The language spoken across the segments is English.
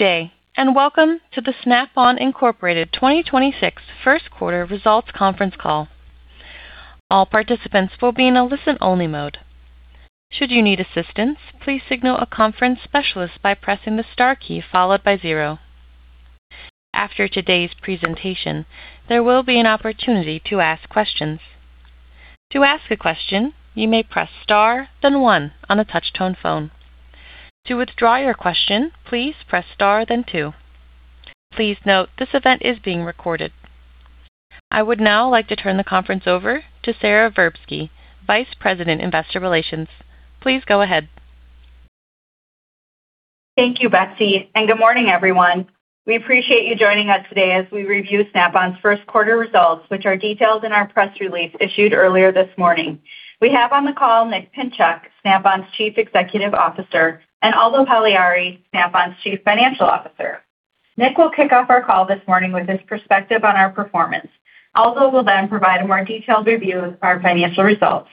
Good day, and welcome to the Snap-on Incorporated 2026 first quarter results conference call. All participants will be in a listen-only mode. Should you need assistance, please signal a conference specialist by pressing the star key followed by zero. After today's presentation, there will be an opportunity to ask questions. To ask a question, you may press star, then one on a touch-tone phone. To withdraw your question, please press star then two. Please note, this event is being recorded. I would now like to turn the conference over to Sara Verbsky, Vice President, Investor Relations. Please go ahead. Thank you, Betsy, and good morning, everyone. We appreciate you joining us today as we review Snap-on's first quarter results, which are detailed in our press release issued earlier this morning. We have on the call Nick Pinchuk, Snap-on's Chief Executive Officer, and Aldo Pagliari, Snap-on's Chief Financial Officer. Nick will kick off our call this morning with his perspective on our performance. Aldo will then provide a more detailed review of our financial results.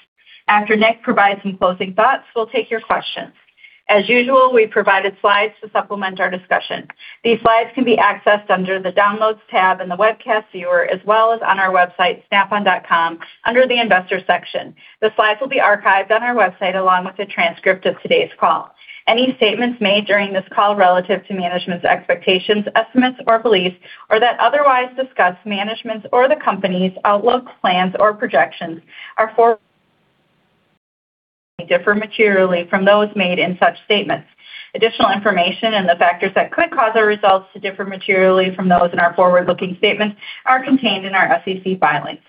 After Nick provides some closing thoughts, we'll take your questions. As usual, we've provided slides to supplement our discussion. These slides can be accessed under the Downloads tab in the webcast viewer, as well as on our website, snapon.com, under the Investors section. The slides will be archived on our website along with a transcript of today's call. Any statements made during this call relative to management's expectations, estimates or beliefs or that otherwise discuss management's or the company's outlook, plans, or projections are forward-looking statements that may differ materially from those made in such statements. Additional information and the factors that could cause our results to differ materially from those in our forward-looking statements are contained in our SEC filings.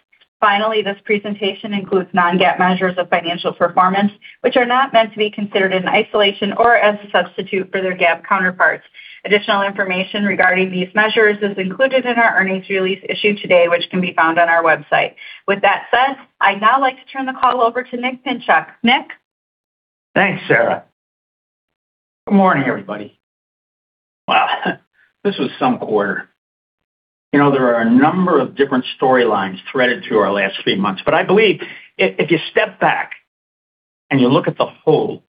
Finally, this presentation includes non-GAAP measures of financial performance, which are not meant to be considered in isolation or as a substitute for their GAAP counterparts. Additional information regarding these measures is included in our earnings release issued today, which can be found on our website. With that said, I'd now like to turn the call over to Nick Pinchuk. Nick? Thanks, Sara. Good morning, everybody. Wow, this was some quarter. There are a number of different storylines threaded through our last few months, but I believe if you step back and you look at the whole,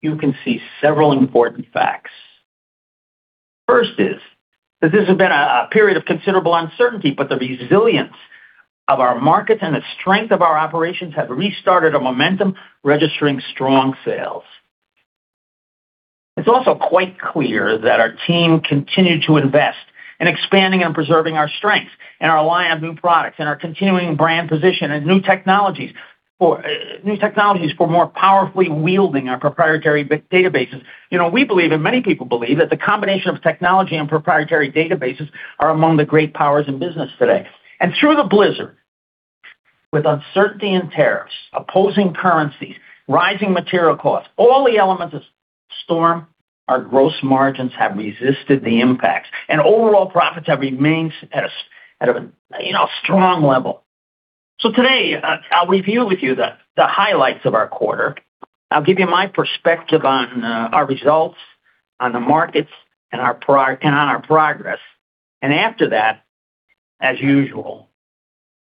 you can see several important facts. First is that this has been a period of considerable uncertainty but the resilience of our markets and the strength of our operations have restarted a momentum, registering strong sales. It's also quite clear that our team continued to invest in expanding and preserving our strengths and our line of new products and our continuing brand position and new technologies for more powerfully wielding our proprietary databases. We believe, and many people believe, that the combination of technology and proprietary databases are among the great powers in business today. Through the blizzard, with uncertainty and tariffs, opposing currencies, rising material costs, all the elements of storm, our gross margins have resisted the impacts, and overall profits have remained at a strong level. Today, I'll review with you the highlights of our quarter. I'll give you my perspective on our results, on the markets, and on our progress. After that, as usual,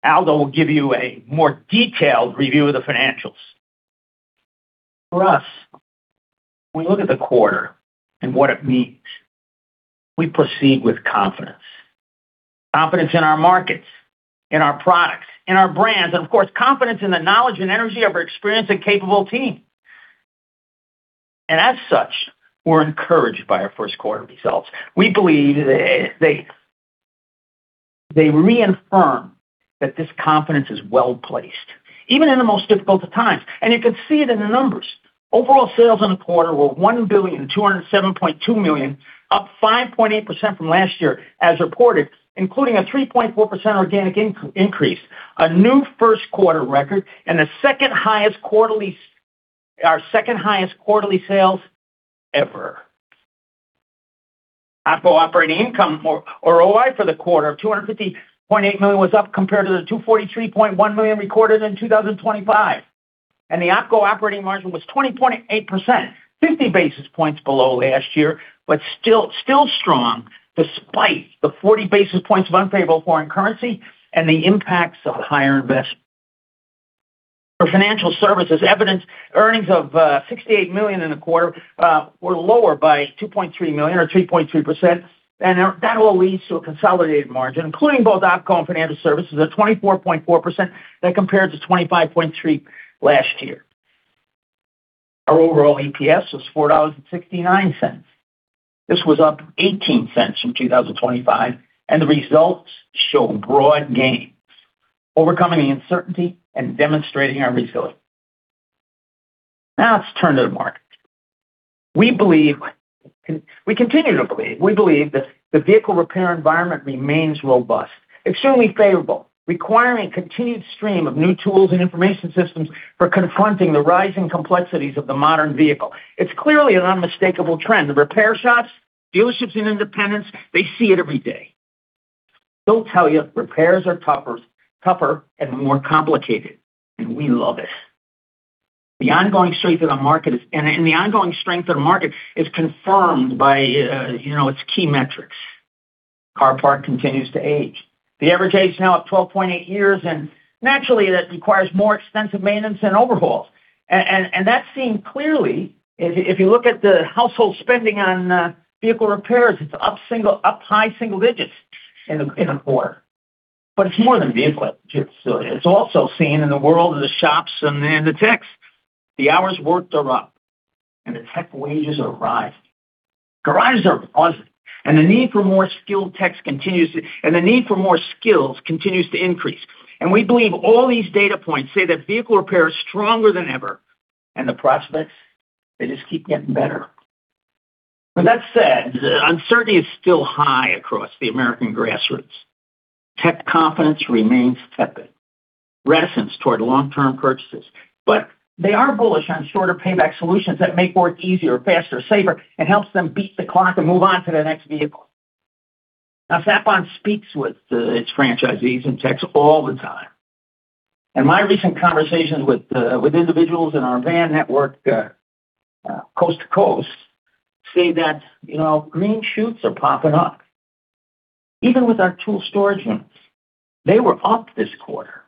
Aldo will give you a more detailed review of the financials. For us, when we look at the quarter and what it means, we proceed with confidence. Confidence in our markets, in our products, in our brands, and of course, confidence in the knowledge and energy of our experienced and capable team. As such, we're encouraged by our first quarter results. We believe they reaffirm that this confidence is well-placed, even in the most difficult of times. You can see it in the numbers. Overall sales in the quarter were $1.207 billion, up 5.8% from last year as reported, including a 3.4% organic increase, a new first quarter record, and our second highest quarterly sales ever. OpCo operating income or OI for the quarter of $250.8 million was up compared to the $243.1 million recorded in 2025. The OpCo operating margin was 20.8%, 50 basis points below last year, but still strong despite the 40 basis points of unfavorable foreign currency and the impacts of higher investment. For financial services revenues, earnings of $68 million in the quarter were lower by $2.3 million or 3.3%, and that all leads to a consolidated margin, including both OpCo and financial services at 24.4%. That compared to 25.3% last year. Our overall EPS was $4.69. This was up $0.18 from 2025, and the results show broad gains, overcoming the uncertainty and demonstrating our resilience. Now let's turn to the market. We continue to believe that the vehicle repair environment remains robust, extremely favorable, requiring continued stream of new tools and information systems for confronting the rising complexities of the modern vehicle. It's clearly an unmistakable trend. The repair shops, dealerships and independents, they see it every day. They'll tell you repairs are tougher and more complicated, and we love it. The ongoing strength of the market is confirmed by its key metrics. Car park continues to age. The average age now at 12.8 years, and naturally that requires more extensive maintenance and overhauls. That's seen clearly if you look at the household spending on vehicle repairs, it's up high single digits in a quarter. It's more than vehicles. It's also seen in the world of the shops and the techs. The hours worked are up, and the tech wages are rising. Garages are buzzing, and the need for more skills continues to increase. We believe all these data points say that vehicle repair is stronger than ever. The prospects, they just keep getting better. With that said, the uncertainty is still high across the American grassroots. Tech confidence remains tepid, reticence toward long-term purchases. They are bullish on shorter payback solutions that make work easier, faster, safer, and helps them beat the clock and move on to their next vehicle. Now, Snap-on speaks with its franchisees and techs all the time. My recent conversations with individuals in our van network, coast to coast, say that green shoots are popping up. Even with our tool storage rooms, they were up this quarter.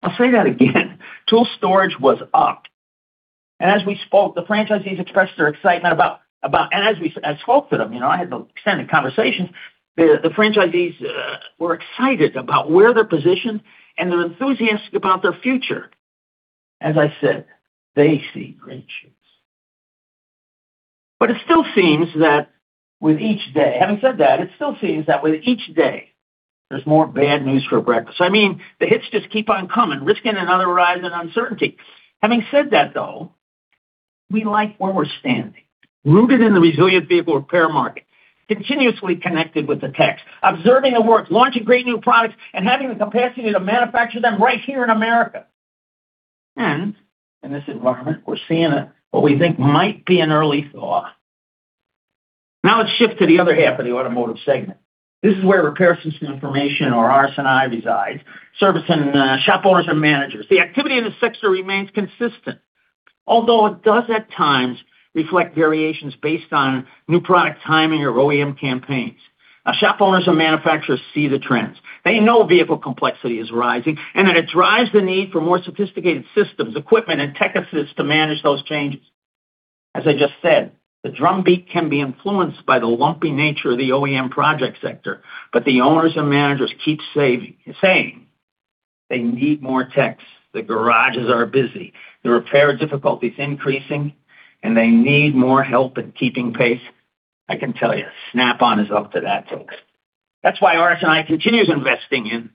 I'll say that again. Tool storage was up. As I spoke to them, I had extended conversations. The franchisees were excited about where they're positioned, and they're enthusiastic about their future. I said, they see green shoots. It still seems that with each day, having said that, there's more bad news for breakfast. I mean, the hits just keep on coming, risking another rise in uncertainty. Having said that, though, we like where we're standing, rooted in the resilient vehicle repair market, continuously connected with the techs, observing the work, launching great new products, and having the capacity to manufacture them right here in America. In this environment, we're seeing what we think might be an early thaw. Now let's shift to the other half of the automotive segment. This is where Repair Systems & Information, or RS&I, resides for service and shop owners and managers. The activity in this sector remains consistent, although it does at times reflect variations based on new product timing or OEM campaigns. Now shop owners and manufacturers see the trends. They know vehicle complexity is rising and that it drives the need for more sophisticated systems, equipment, and tech assists to manage those changes. As I just said, the drumbeat can be influenced by the lumpy nature of the OEM project sector, but the owners and managers keep saying they need more techs. The garages are busy. The repair difficulty is increasing, and they need more help in keeping pace. I can tell you, Snap-on is up to that task. That's why RS&I continues investing in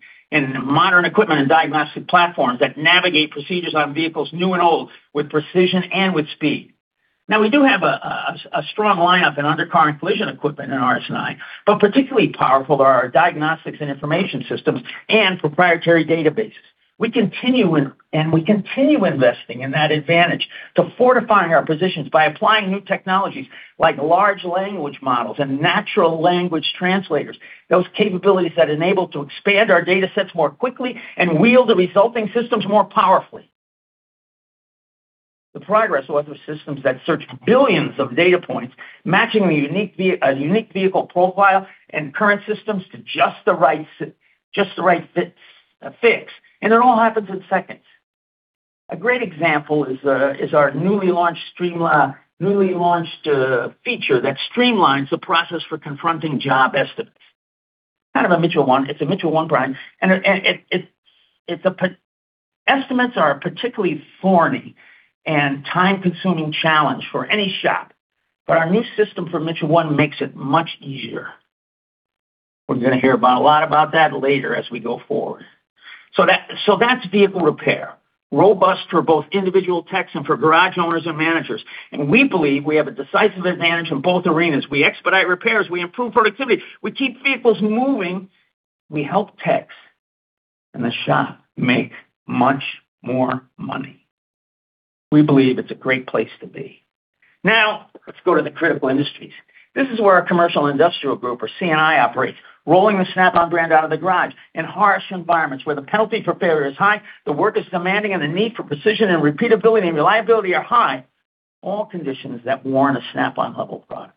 modern equipment and diagnostic platforms that navigate procedures on vehicles new and old with precision and with speed. Now we do have a strong lineup in undercar and collision equipment in RS&I, but particularly powerful are our diagnostics and information systems and proprietary databases. We continue investing in that advantage to fortifying our positions by applying new technologies like large language models and natural language translators, those capabilities that enable to expand our datasets more quickly and wield the resulting systems more powerfully. The progress was with systems that searched billions of data points, matching a unique vehicle profile and current systems to just the right fix. It all happens in seconds. A great example is our newly launched feature that streamlines the process for confronting job estimates, kind of a Mitchell 1. It's a Mitchell 1 brand, and estimates are a particularly thorny and time-consuming challenge for any shop. Our new system from Mitchell 1 makes it much easier. We're going to hear a lot about that later as we go forward. That's vehicle repair, robust for both individual techs and for garage owners and managers. We believe we have a decisive advantage in both arenas. We expedite repairs. We improve productivity. We keep vehicles moving. We help techs and the shop make much more money. We believe it's a great place to be. Now, let's go to the critical industries. This is where our Commercial and Industrial Group, or C&I, operates, rolling the Snap-on brand out of the garage in harsh environments where the penalty for failure is high, the work is demanding, and the need for precision and repeatability and reliability are high, all conditions that warrant a Snap-on level product.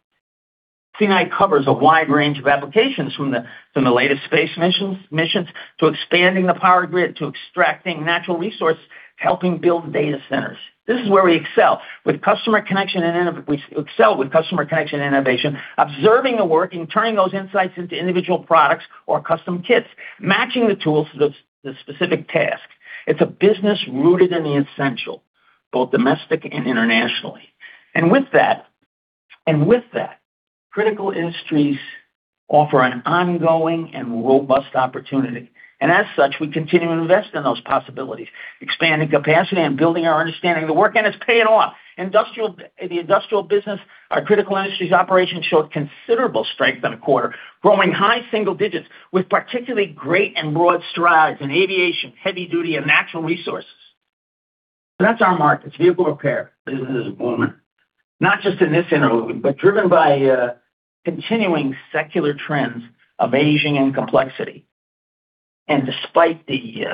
C&I covers a wide range of applications from the latest space missions, to expanding the power grid, to extracting natural resources, helping build data centers. This is where we excel, with customer connection and innovation, observing the work and turning those insights into individual products or custom kits, matching the tools to the specific task. It's a business rooted in the essential, both domestic and internationally. With that, critical industries offer an ongoing and robust opportunity. As such, we continue to invest in those possibilities, expanding capacity and building our understanding of the work, and it's paying off. The industrial business, our critical industries operations showed considerable strength in the quarter, growing high single digits with particularly great and broad strides in aviation, heavy duty, and natural resources. That's our markets. Vehicle repair business is booming, not just in this interlude, but driven by continuing secular trends of aging and complexity. Despite the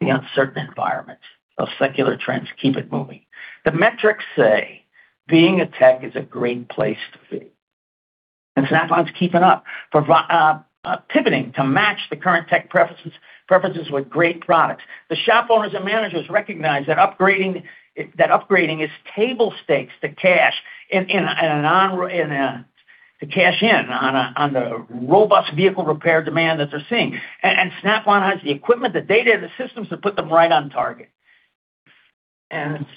uncertain environment, those secular trends keep it moving. The metrics say being a tech is a great place to be. Snap-on's keeping up, pivoting to match the current tech preferences with great products. The shop owners and managers recognize that upgrading is table stakes to cash to cash in on the robust vehicle repair demand that they're seeing. Snap-on has the equipment, the data, and the systems to put them right on target.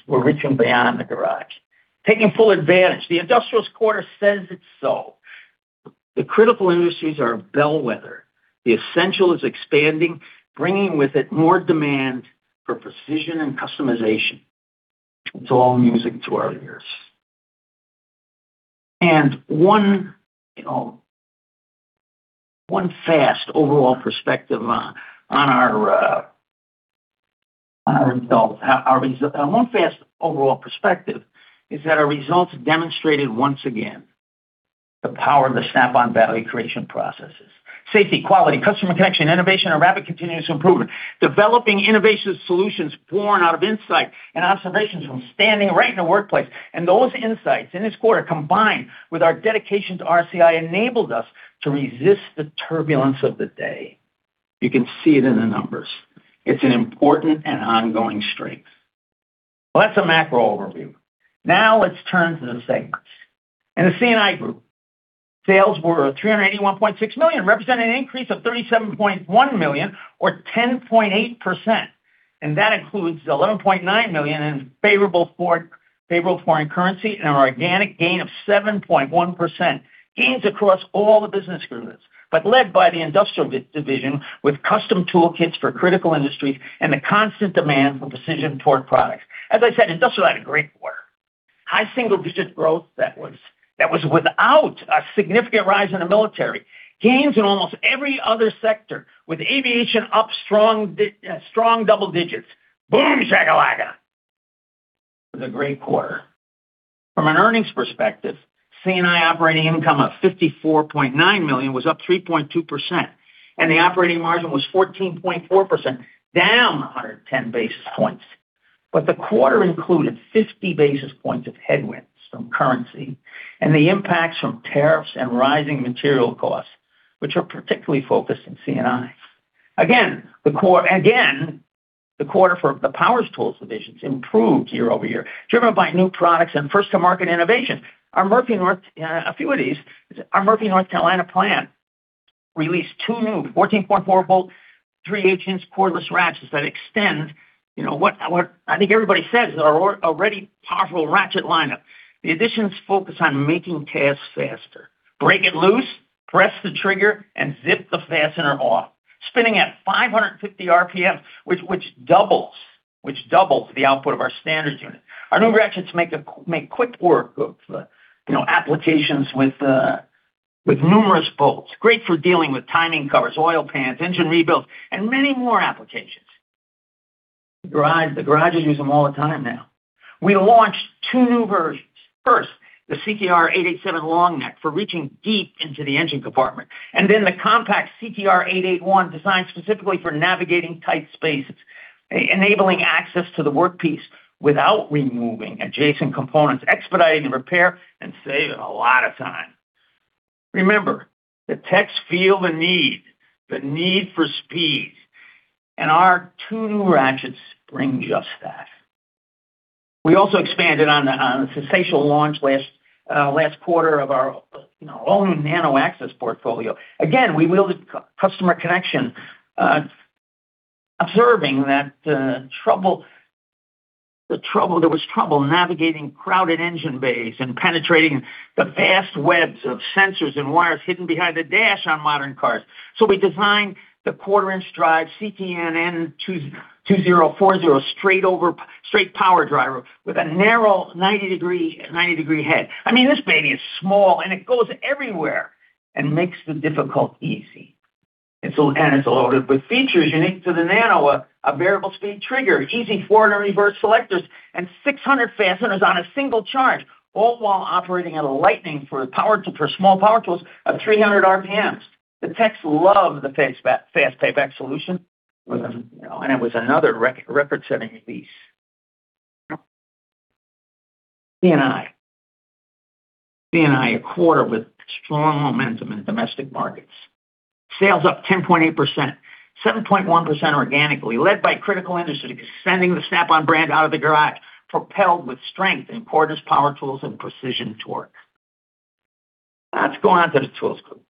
We're reaching beyond the garage, taking full advantage. The industrials quarter says it so. The critical industries are a bellwether. The essential is expanding, bringing with it more demand for precision and customization. It's all music to our ears. One fast overall perspective is that our results demonstrated once again the power of the Snap-on value creation processes, safety, quality, customer connection, innovation, and rapid continuous improvement. Developing innovative solutions born out of insight and observations from standing right in the workplace. Those insights in this quarter, combined with our dedication to RCI, enabled us to resist the turbulence of the day. You can see it in the numbers. It's an important and ongoing strength. Well, that's a macro overview. Now let's turn to the segments. In the C&I group, sales were $381.6 million, representing an increase of $37.1 million or 10.8%, and that includes $11.9 million in favorable foreign currency and an organic gain of 7.1%. Gains across all the business groups, but led by the industrial division with custom toolkits for critical industries and the constant demand for precision torque products. As I said, industrial had a great quarter. High single-digit growth that was without a significant rise in the military. Gains in almost every other sector with aviation up strong double digits. Boom shakalaka.It was a great quarter. From an earnings perspective, C&I operating income of $54.9 million was up 3.2%, and the operating margin was 14.4%, down 110 basis points. The quarter included 50 basis points of headwinds from currency and the impacts from tariffs and rising material costs, which are particularly focused in C&I. Again, the quarter for the power tools division improved year-over-year, driven by new products and first-to-market innovation. A few of these, our Murphy, North Carolina plant released two new 14.4V 3/8-inch cordless ratchets that extend, what I think everybody says, our already powerful ratchet lineup. The additions focus on making tasks faster. Break it loose, press the trigger, and zip the fastener off, spinning at 550 RPMs, which doubles the output of our standard unit. Our new ratc hets make quick work of applications with numerous bolts. Great for dealing with timing covers, oil pans, engine rebuilds, and many more applications. The garages use them all the time now. We launched two new versions. First, the CTR887 long neck for reaching deep into the engine compartment, and then the compact CTR881, designed specifically for navigating tight spaces, enabling access to the workpiece without removing adjacent components, expediting the repair and saving a lot of time. Remember, the techs feel the need, the need for speed, and our two new ratchets bring just that. We also expanded on the sensational launch last quarter of our own NanoAxcess portfolio. Again, we leveraged customer connection, observing that there was trouble navigating crowded engine bays and penetrating the vast webs of sensors and wires hidden behind the dash on modern cars. We designed the quarter-inch drive CTNN2040 straight power driver with a narrow 90-degree head. I mean, this baby is small, and it goes everywhere and makes the difficult easy. It's loaded with features unique to the Nano, a variable speed trigger, easy forward and reverse selectors, and 600 fasteners on a single charge, all while operating at a lightning-fast speed of 300 RPMs. The techs love the fast payback solution, and it was another record-setting release. C&I. C&I, a quarter with strong momentum in domestic markets. Sales up 10.8%, 7.1% organically, led by critical industries sending the Snap-on brand out of the garage, propelled with strength in cordless power tools and precision torque. Now let's go on to the Tools Group.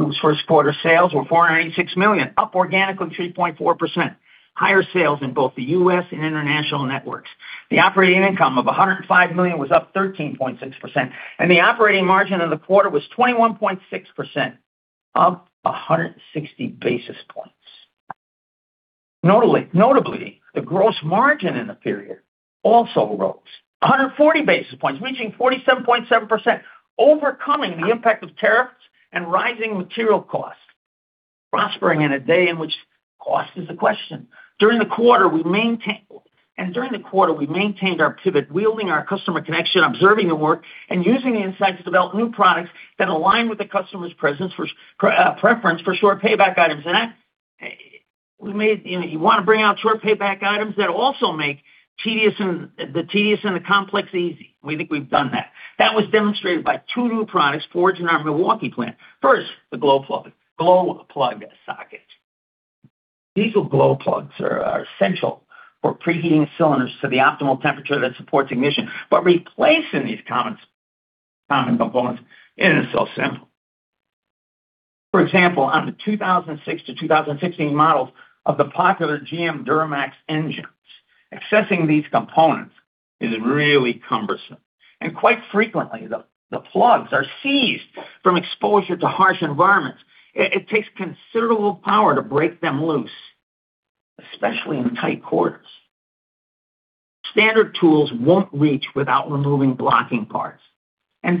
Tools first quarter sales were $486 million, up organically 3.4%. Higher sales in both the U.S. and international networks. The operating income of $105 million was up 13.6%, and the operating margin of the quarter was 21.6%, up 160 basis points. Notably, the gross margin in the period also rose 140 basis points, reaching 47.7%, overcoming the impact of tariffs and rising material costs, prospering in a day and age in which cost is the question. During the quarter, we maintained our pivot, wielding our customer connection, observing the work, and using the insights to develop new products that align with the customer's preference for short payback items. You want to bring out short payback items that also make the tedious and the complex easy. We think we've done that. That was demonstrated by two new products forged in our Milwaukee plant. First, the glow plug socket. Diesel glow plugs are essential for preheating cylinders to the optimal temperature that supports ignition. Replacing these common components isn't so simple. For example, on the 2006 to 2016 models of the popular GM Duramax engines, accessing these components is really cumbersome. Quite frequently, the plugs are seized from exposure to harsh environments. It takes considerable power to break them loose, especially in tight quarters. Standard tools won't reach without removing blocking parts.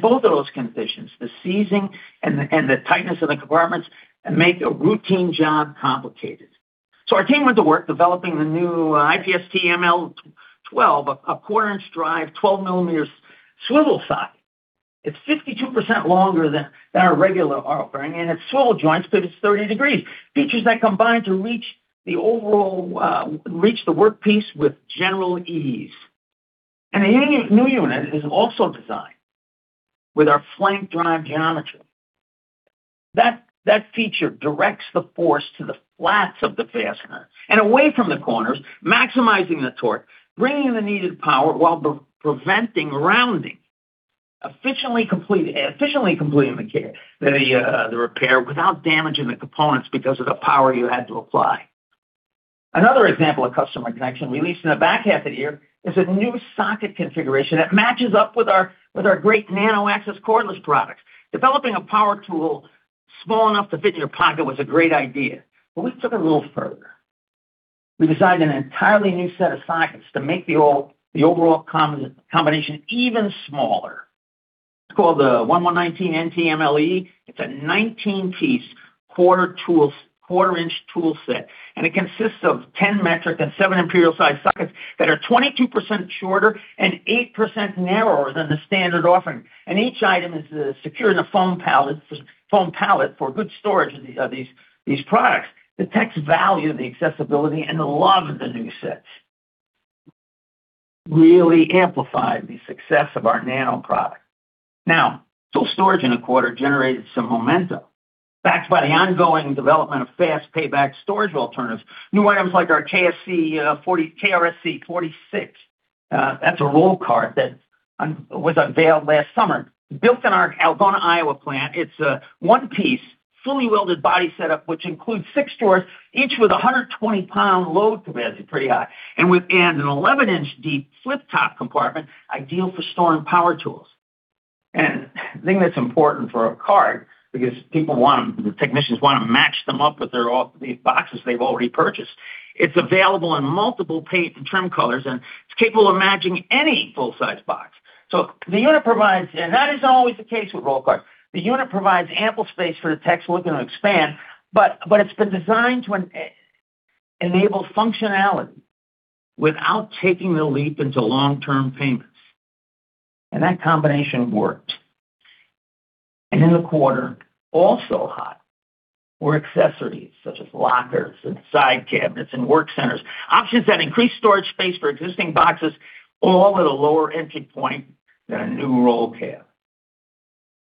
Both of those conditions, the seizing and the tightness of the compartments, make a routine job complicated. Our team went to work developing the new IGSTML12, a 1/4 inch drive, 12 mm swivel socket. It's 52% longer than our regular offering, and its swivel joints pivot 30 degrees, features that combine to reach the workpiece with general ease. The new unit is also designed with our Flank Drive geometry. That feature directs the force to the flats of the fastener and away from the corners, maximizing the torque, bringing the needed power while preventing rounding, efficiently completing the repair without damaging the components because of the power you had to apply. Another example of customer connection released in the back half of the year is a new socket configuration that matches up with our great NanoAxcess cordless products. Developing a power tool small enough to fit in your pocket was a great idea, but we took it a little further. We designed an entirely new set of sockets to make the overall combination even smaller. It's called the 119NTMLE. It's a 19-piece 1/4-inch tool set, and it consists of 10 metric and seven imperial-size sockets that are 22% shorter and 8% narrower than the standard offering. Each item is secured in a foam pallet for good storage of these products. The tech's value, the accessibility, and the love of the new sets really amplified the success of our Nano products. Now, tool storage in the quarter generated some momentum, backed by the ongoing development of fast payback storage alternatives. New items like our KRSC 46, that's a roll cart that was unveiled last summer. Built in our Algona, Iowa plant, it's a one-piece, fully welded body setup, which includes six drawers, each with 120-pound load capacity, pretty high, and an 11-inch deep flip-top compartment ideal for storing power tools. The thing that's important for a cart, because the technicians want to match them up with these boxes they've already purchased. It's available in multiple paint and trim colors, and it's capable of matching any full-size box. That is always the case with roll carts. The unit provides ample space for the techs looking to expand, but it's been designed to enable functionality without taking the leap into long-term payments. That combination worked. In the quarter, also hot were accessories such as lockers and side cabinets and work centers, options that increased storage space for existing boxes, all at a lower entry point than a new roll cab.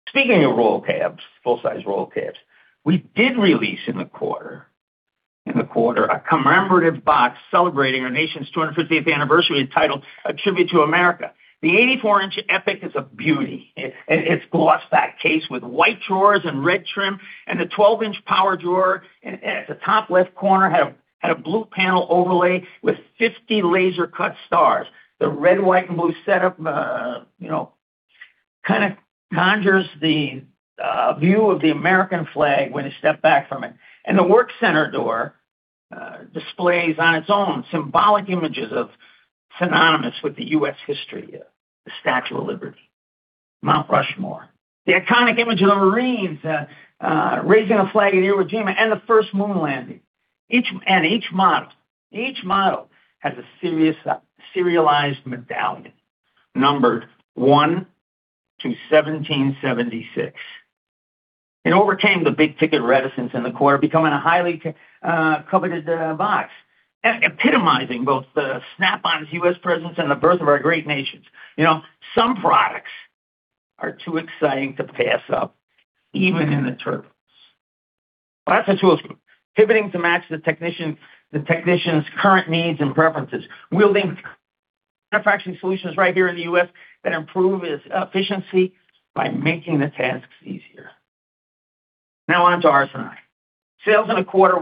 Speaking of roll cabs, full-size roll cabs, we did release in the quarter a commemorative box celebrating our nation's 250th anniversary entitled, A Tribute to America. The 84-inch EPIQ is a beauty. Its gloss black case with white drawers and red trim, and the 12-inch power drawer at the top left corner had a blue panel overlay with 50 laser-cut stars. The red, white, and blue setup kind of conjures the view of the American flag when you step back from it. The work center door displays its own symbolic images synonymous with U.S. history, the Statue of Liberty, Mount Rushmore, the iconic image of the Marines raising a flag at Iwo Jima, and the first moon landing. Each model has a serialized medallion numbered one to 1776. It overcame the big-ticket reticence in the quarter, becoming a highly coveted box, epitomizing both the Snap-on's U.S. presence and the birth of our great nation. Some products are too exciting to pass up, even in the turbulence. Lots of tools pivoting to match the technician's current needs and preferences, with lean manufacturing solutions right here in the U.S. that improve his efficiency by making the tasks easier. Now on to RS&I. Sales in the quarter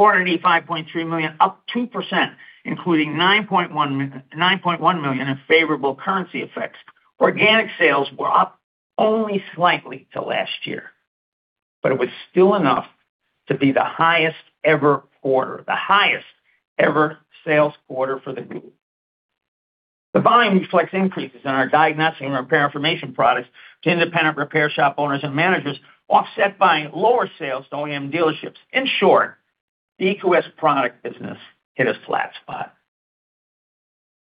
were $485.3 million, up 2%, including $9.1 million in favorable currency effects. Organic sales were up only slightly from last year, but it was still enough to be the highest ever quarter, the highest ever sales quarter for the group. The volume reflects increases in our diagnostic and repair information products to independent repair shop owners and managers offset by lower sales to OEM dealerships. In short, the EQS product business hit a flat spot.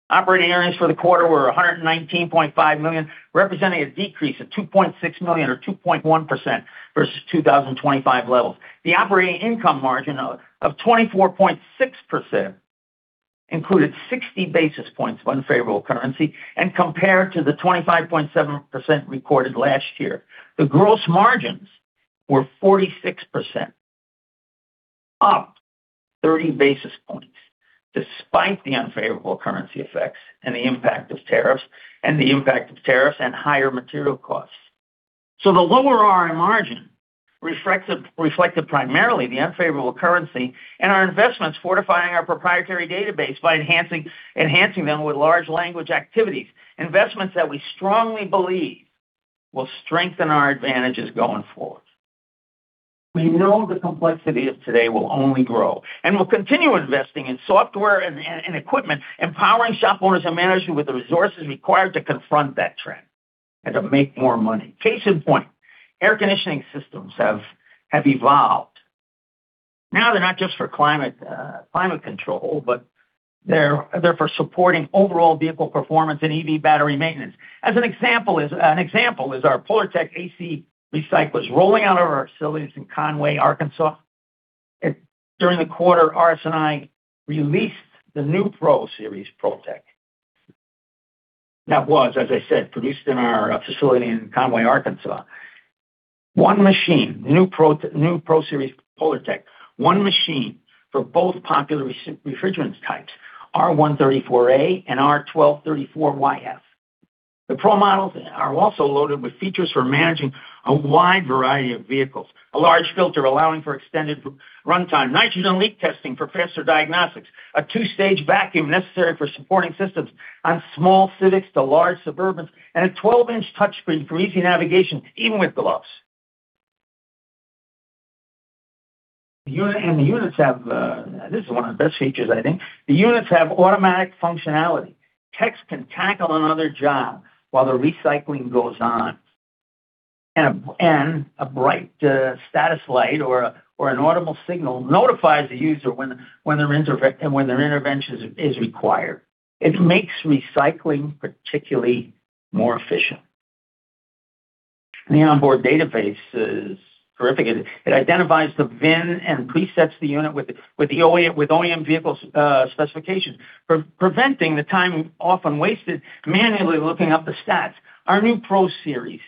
Operating earnings for the quarter were $119.5 million, representing a decrease of $2.6 million or 2.1% versus 2025 levels. The operating income margin of 24.6% included 60 basis points of unfavorable currency and compared to the 25.7% recorded last year. The gross margins were 46%, up 30 basis points despite the unfavorable currency effects and the impact of tariffs and higher material costs. The lower RS&I margin reflected primarily the unfavorable currency and our investments fortifying our proprietary database by enhancing them with large language models, investments that we strongly believe will strengthen our advantages going forward. We know the complexity of today will only grow, and we'll continue investing in software and equipment, empowering shop owners and managers with the resources required to confront that trend and to make more money. Case in point, air conditioning systems have evolved. Now they're not just for climate control, but they're for supporting overall vehicle performance and EV battery maintenance. An example is our Polartek AC recycler rolling out of our facilities in Conway, Arkansas. During the quarter, RS&I released the new Polartek Pro Series. That was, as I said, produced in our facility in Conway, Arkansas. One machine, the new Polartek Pro Series. One machine for both popular refrigerant types, R134a and R1234yf. The Pro models are also loaded with features for managing a wide variety of vehicles. A large filter allowing for extended runtime, nitrogen leak testing for faster diagnostics, a two-stage vacuum necessary for supporting systems on small Civics to large Suburbans, and a 12-inch touchscreen for easy navigation, even with gloves. The units have, this is one of the best features, I think. The units have automatic functionality. Techs can tackle another job while the recycling goes on. A bright status light or an audible signal notifies the user when their intervention is required. It makes recycling particularly more efficient. The onboard database is terrific. It identifies the VIN and presets the unit with OEM vehicle specifications, preventing the time often wasted manually looking up the stats. Our new Polartek Pro Series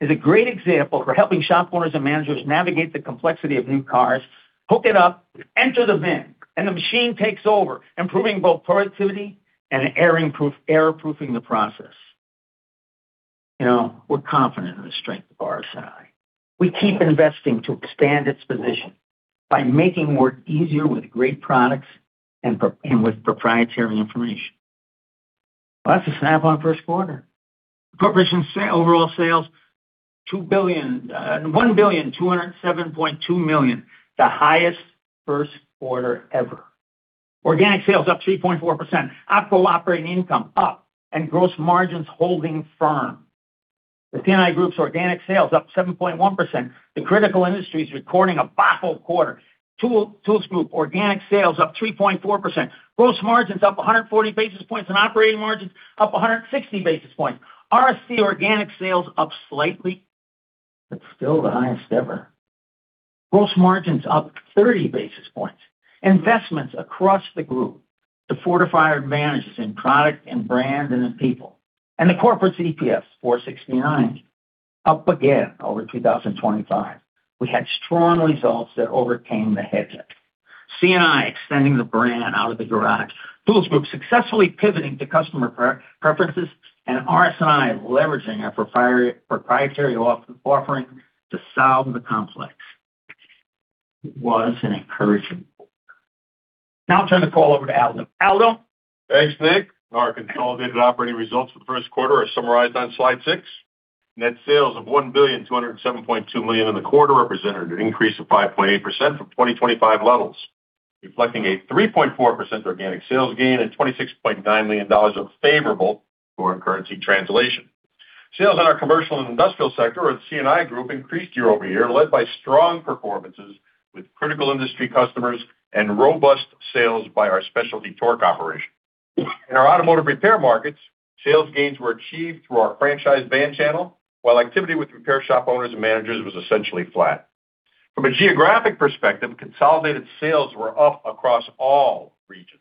is a great example for helping shop owners and managers navigate the complexity of new cars, hook it up, enter the VIN, and the machine takes over, improving both productivity and error-proofing the process. We're confident in the strength of our RS&I. We keep investing to expand its position by making work easier with great products and with proprietary information. That's Snap-on's first quarter. Incorporated overall sales $1.207 billion, the highest first quarter ever. Organic sales up 3.4%. OpCo operating income up and gross margins holding firm. The C&I group's organic sales up 7.1%. The critical industries recording a boffo quarter. Tools Group organic sales up 3.4%. Gross margins up 140 basis points and operating margins up 160 basis points. RS&I organic sales up slightly, but still the highest ever. Gross margins up 30 basis points. Investments across the group to fortify our advantages in product and brand and in people. The corporate expenses $46.9 million, up 8.6% from the prior year. We had strong results that overcame the headwinds. C&I extending the brand out of the garage. Tools Group successfully pivoting to customer preferences, and RS&I leveraging our proprietary offering to solve the complex. It was an encouraging quarter. Now I'll turn the call over to Aldo. Aldo? Thanks, Nick. Our consolidated operating results for the first quarter are summarized on slide six. Net sales of $1,207.2 million in the quarter represented an increase of 5.8% from 2025 levels, reflecting a 3.4% organic sales gain and $26.9 million of favorable foreign currency translation. Sales in our commercial and industrial sector or C&I group increased year-over-year, led by strong performances with critical industry customers and robust sales by our specialty torque operation. In our automotive repair markets, sales gains were achieved through our franchise van channel, while activity with repair shop owners and managers was essentially flat. From a geographic perspective, consolidated sales were up across all regions.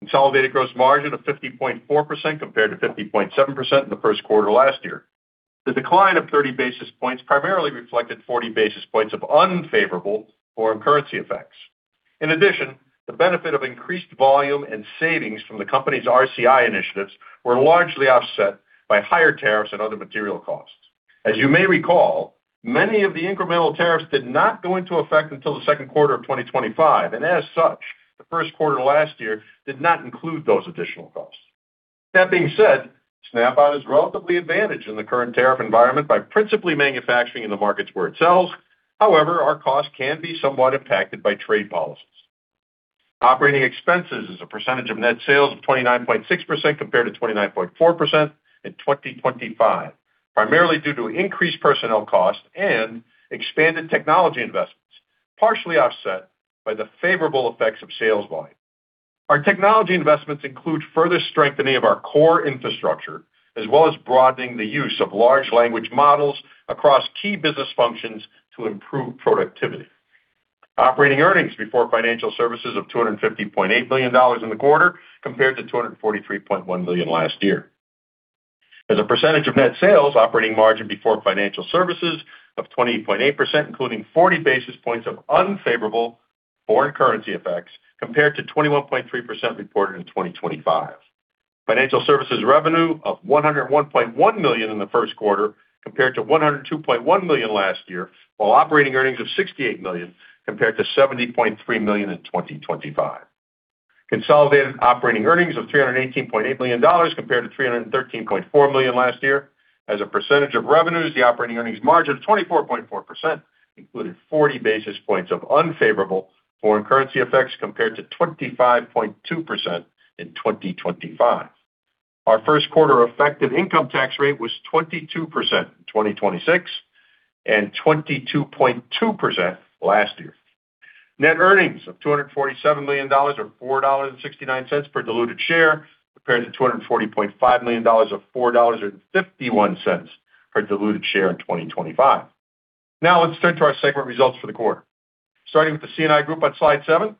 Consolidated gross margin of 50.4% compared to 50.7% in the first quarter last year. The decline of 30 basis points primarily reflected 40 basis points of unfavorable foreign currency effects. In addition, the benefit of increased volume and savings from the company's RCI initiatives were largely offset by higher tariffs and other material costs. As you may recall, many of the incremental tariffs did not go into effect until the second quarter of 2025, and as such, the first quarter last year did not include those additional costs. That being said, Snap-on is relatively advantaged in the current tariff environment by principally manufacturing in the markets where it sells. However, our costs can be somewhat impacted by trade policies. Operating expenses as a percentage of net sales of 29.6% compared to 29.4% in 2025, primarily due to increased personnel costs and expanded technology investments, partially offset by the favorable effects of sales volume. Our technology investments include further strengthening of our core infrastructure, as well as broadening the use of large language models across key business functions to improve productivity. Operating earnings before financial services of $250.8 million in the quarter compared to $243.1 million last year. As a percentage of net sales, operating margin before financial services of 20.8%, including 40 basis points of unfavorable foreign currency effects, compared to 21.3% reported in 2025. Financial services revenue of $101.1 million in the first quarter compared to $102.1 million last year, while operating earnings of $68 million compared to $70.3 million in 2025. Consolidated operating earnings of $318.8 million compared to $313.4 million last year. As a percentage of revenues, the operating earnings margin of 24.4% included 40 basis points of unfavorable foreign currency effects compared to 25.2% in 2025. Our first quarter effective income tax rate was 22% in 2026, and 22.2% last year. Net earnings of $247 million, or $4.69 per diluted share, compared to $240.5 million, or $4.51 per diluted share in 2025. Now let's turn to our segment results for the quarter. Starting with the C&I Group on slide seven.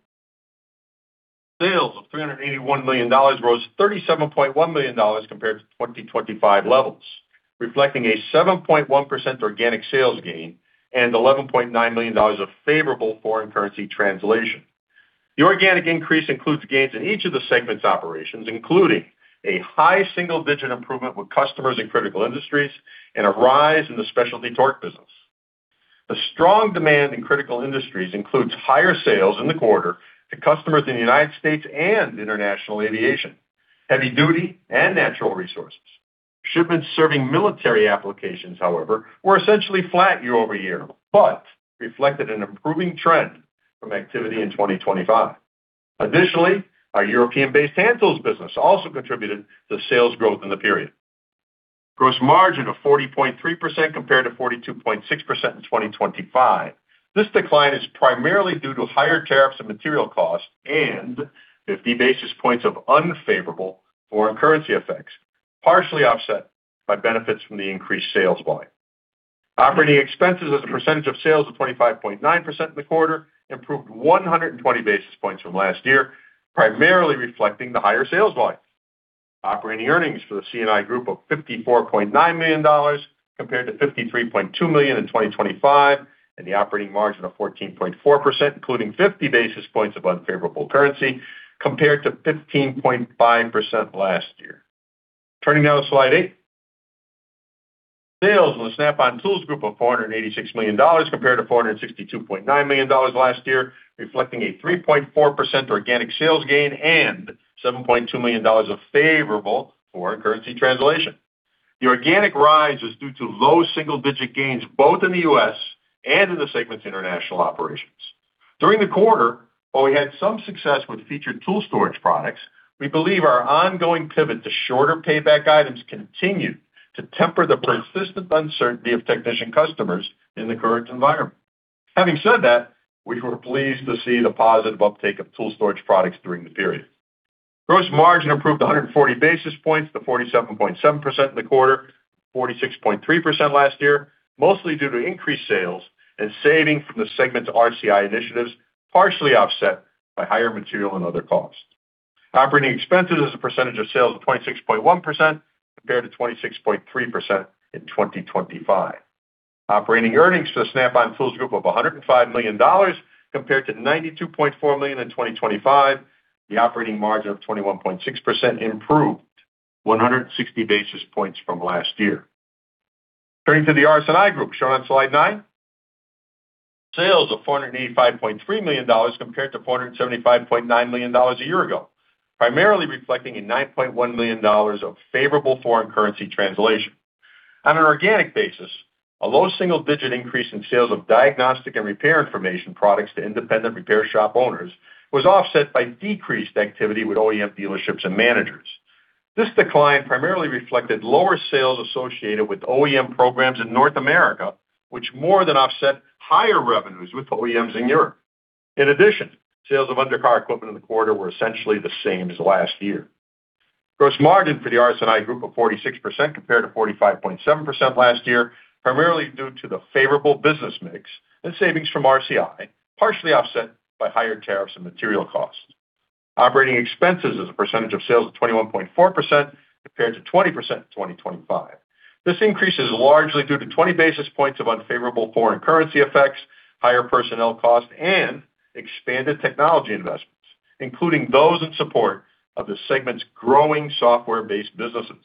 Sales of $381 million rose $37.1 million compared to 2025 levels, reflecting a 7.1% organic sales gain and $11.9 million of favorable foreign currency translation. The organic increase includes gains in each of the segment's operations, including a high single-digit improvement with customers in critical industries and a rise in the specialty torque business. The strong demand in critical industries includes higher sales in the quarter to customers in the United States and international aviation, heavy duty, and natural resources. Shipments serving military applications, however, were essentially flat year-over-year, but reflected an improving trend from activity in 2025. Additionally, our European-based handhelds business also contributed to sales growth in the period. Gross margin of 40.3% compared to 42.6% in 2025. This decline is primarily due to higher tariffs and material costs and 50 basis points of unfavorable foreign currency effects, partially offset by benefits from the increased sales volume. Operating expenses as a percentage of sales of 25.9% in the quarter improved 120 basis points from last year, primarily reflecting the higher sales volume. Operating earnings for the C&I Group of $54.9 million compared to $53.2 million in 2025, and the operating margin of 14.4%, including 50 basis points of unfavorable currency compared to 15.5% last year. Turning now to slide eight. Sales of the Snap-on Tools Group of $486 million compared to $462.9 million last year, reflecting a 3.4% organic sales gain and $7.2 million of favorable foreign currency translation. The organic rise was due to low single-digit gains both in the U.S. and in the segment's international operations. During the quarter, while we had some success with featured tool storage products, we believe our ongoing pivot to shorter payback items continued to temper the persistent uncertainty of technician customers in the current environment. Having said that, we were pleased to see the positive uptake of tool storage products during the period. Gross margin improved 140 basis points to 47.7% in the quarter, 46.3% last year, mostly due to increased sales and savings from the segment's RCI initiatives, partially offset by higher material and other costs. Operating expenses as a percentage of sales of 26.1% compared to 26.3% in 2025. Operating earnings for the Snap-on Tools Group of $105 million, compared to $92.4 million in 2025. The operating margin of 21.6% improved 160 basis points from last year. Turning to the RS&I group shown on slide nine. Sales of $485.3 million compared to $475.9 million a year ago, primarily reflecting a $9.1 million of favorable foreign currency translation. On an organic basis, a low single-digit increase in sales of diagnostic and repair information products to independent repair shop owners was offset by decreased activity with OEM dealerships and managers. This decline primarily reflected lower sales associated with OEM programs in North America, which more than offset higher revenues with OEMs in Europe. In addition, sales of undercar equipment in the quarter were essentially the same as last year. Gross margin for the RS&I Group of 46% compared to 45.7% last year, primarily due to the favorable business mix and savings from RCI, partially offset by higher tariffs and material costs. Operating expenses as a percentage of sales of 21.4% compared to 20% in 2025. This increase is largely due to 20 basis points of unfavorable foreign currency effects, higher personnel costs, and expanded technology investments, including those in support of the segment's growing software-based businesses.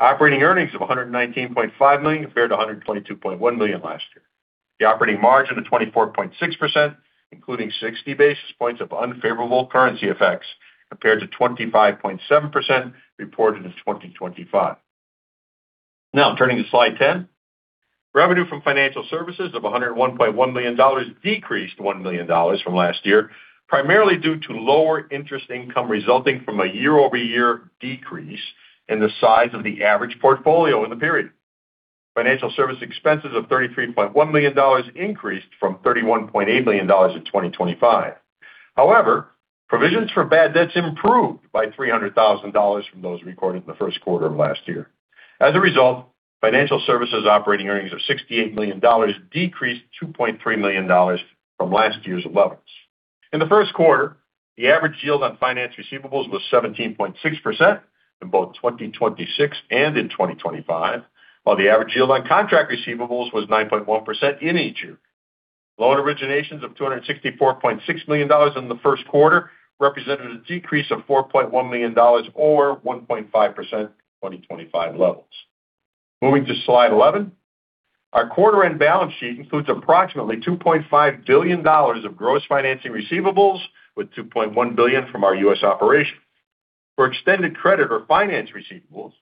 Operating earnings of $119.5 million compared to $122.1 million last year. The operating margin of 24.6%, including 60 basis points of unfavorable currency effects, compared to 25.7% reported in 2025. Now, turning to slide 10. Revenue from financial services of $101.1 million decreased $1 million from last year, primarily due to lower interest income resulting from a year-over-year decrease in the size of the average portfolio in the period. Financial services expenses of $33.1 million increased from $31.8 million in 2025. However, provisions for bad debts improved by $300,000 from those recorded in the first quarter of last year. As a result, financial services operating earnings of $68 million, decreased by $2.3 million from last year's levels. In the first quarter, the average yield on finance receivables was 17.6% in both 2026 and in 2025, while the average yield on contract receivables was 9.1% in each year. Loan originations of $264.6 million in the first quarter represented a decrease of $4.1 million, or 1.5% from 2025 levels. Moving to slide 11. Our quarter-end balance sheet includes approximately $2.5 billion of gross financing receivables, with $2.1 billion from our U.S. operation. For extended credit or finance receivables,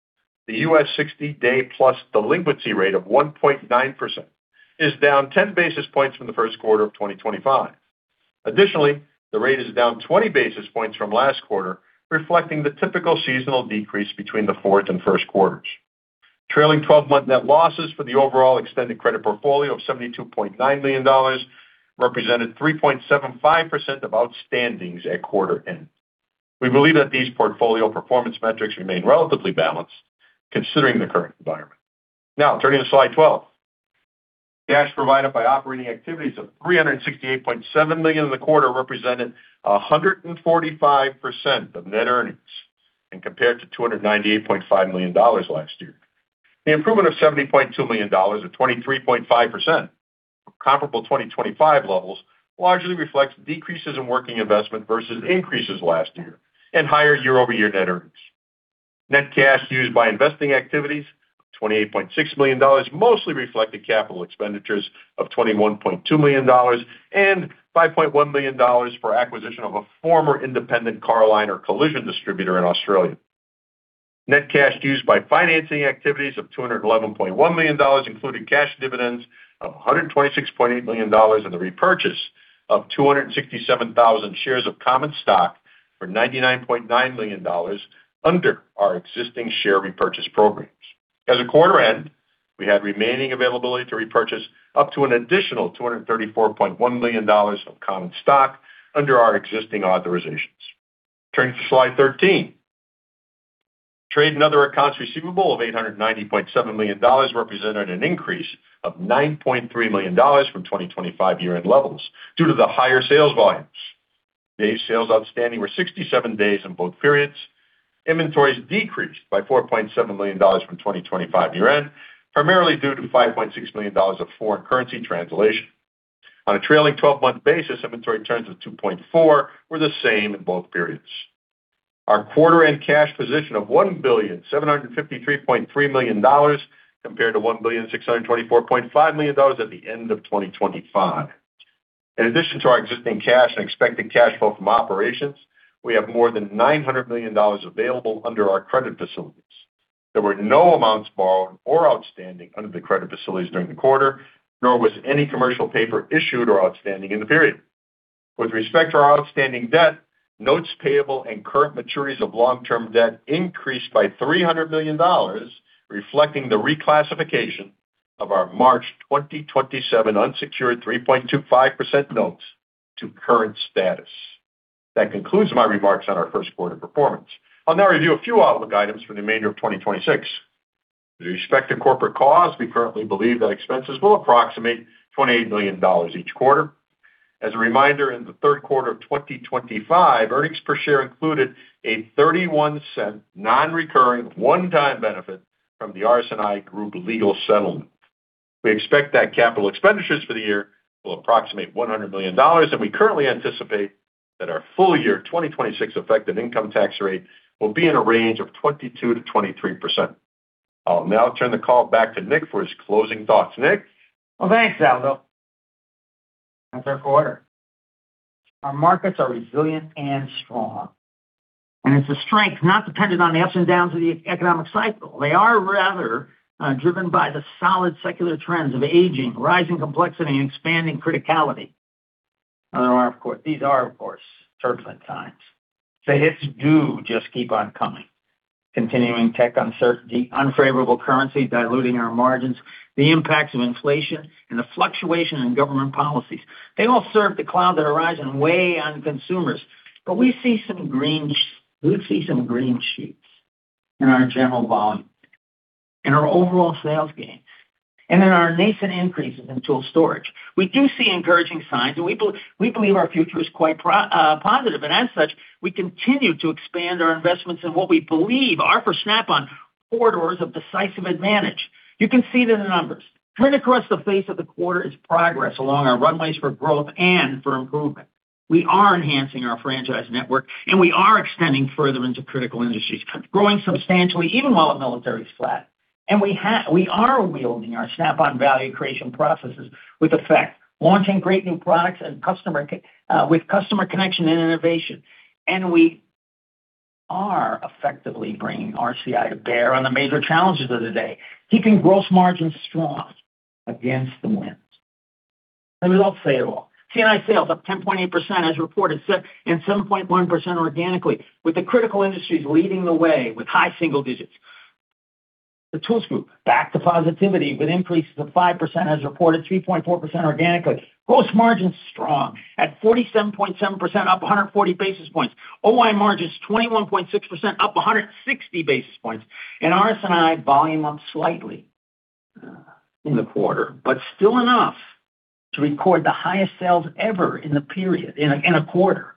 the U.S. 60-day+ delinquency rate of 1.9% is down 10 basis points from the first quarter of 2025. Additionally, the rate is down 20 basis points from last quarter, reflecting the typical seasonal decrease between the fourth and first quarters. Trailing 12-month net losses for the overall extended credit portfolio of $72.9 million represented 3.75% of outstandings at quarter end. We believe that these portfolio performance metrics remain relatively balanced considering the current environment. Now, turning to slide 12. Cash provided by operating activities of $368.7 million in the quarter represented 145% of net earnings and compared to $298.5 million last year. The improvement of $70.2 million, or 23.5% comparable 2025 levels, largely reflects decreases in working capital versus increases last year and higher year-over-year net earnings. Net cash used by investing activities, $28.6 million, mostly reflected capital expenditures of $21.2 million and $5.1 million for acquisition of a former independent Car-O-Liner collision distributor in Australia. Net cash used by financing activities of $211.1 million, including cash dividends of $126.8 million and the repurchase of 267,000 shares of common stock for $99.9 million under our existing share repurchase programs. As a quarter end, we had remaining availability to repurchase up to an additional $234.1 million of common stock under our existing authorizations. Turning to slide 13. Trade and other accounts receivable of $890.7 million represented an increase of $9.3 million from 2025 year-end levels due to the higher sales volumes. Days sales outstanding were 67 days in both periods. Inventories decreased by $4.7 million from 2025 year-end, primarily due to $5.6 million of foreign currency translation. On a trailing 12-month basis, inventory turns of 2.4 were the same in both periods. Our quarter-end cash position of $1,753,300,000 compared to $1,624,500,000 at the end of 2025. In addition to our existing cash and expected cash flow from operations, we have more than $900 million available under our credit facilities. There were no amounts borrowed or outstanding under the credit facilities during the quarter, nor was any commercial paper issued or outstanding in the period. With respect to our outstanding debt, notes payable and current maturities of long-term debt increased by $300 million, reflecting the reclassification of our March 2027 unsecured 3.25% notes to current status. That concludes my remarks on our first quarter performance. I'll now review a few outlook items for the remainder of 2026. With respect to corporate costs, we currently believe that expenses will approximate $28 million each quarter. As a reminder, in the third quarter of 2025, earnings per share included a $0.31 non-recurring one-time benefit from the Arnot Group legal settlement. We expect that capital expenditures for the year will approximate $100 million, and we currently anticipate that our full year 2026 effective income tax rate will be in a range of 22%-23%. I'll now turn the call back to Nick for his closing thoughts. Nick? Well, thanks, Aldo. That's our quarter. Our markets are resilient and strong, and it's a strength not dependent on the ups and downs of the economic cycle. They are rather driven by the solid secular trends of aging, rising complexity, and expanding criticality. These are, of course, turbulent times. The hits do just keep on coming, continuing tech uncertainty, unfavorable currency diluting our margins, the impacts of inflation, and the fluctuation in government policies. They all serve to cloud the horizon and weigh on consumers. We see some green shoots in our general volume, in our overall sales gain, and in our nascent increases in tool storage. We do see encouraging signs, and we believe our future is quite positive. As such, we continue to expand our investments in what we believe are Snap-on's corridors of decisive advantage. You can see it in the numbers. Tremendous progress across the board for the quarter, along our runways for growth and improvement. We are enhancing our franchise network, and we are extending further into critical industries, growing substantially even while the military is flat. We are wielding our Snap-on value creation processes with effect, launching great new products with customer connection and innovation. We are effectively bringing RS&I to bear on the major challenges of the day, keeping gross margins strong against the wind. The results say it all. C&I sales up 10.8% as reported, and 7.1% organically, with the critical industries leading the way with high single digits. The tools group, back to positivity with increases of 5% as reported, 3.4% organically. Gross margins strong at 47.7% up 140 basis points. OI margins 21.6% up 160 basis points. RS&I volume up slightly in the quarter, but still enough to record the highest sales ever in a quarter.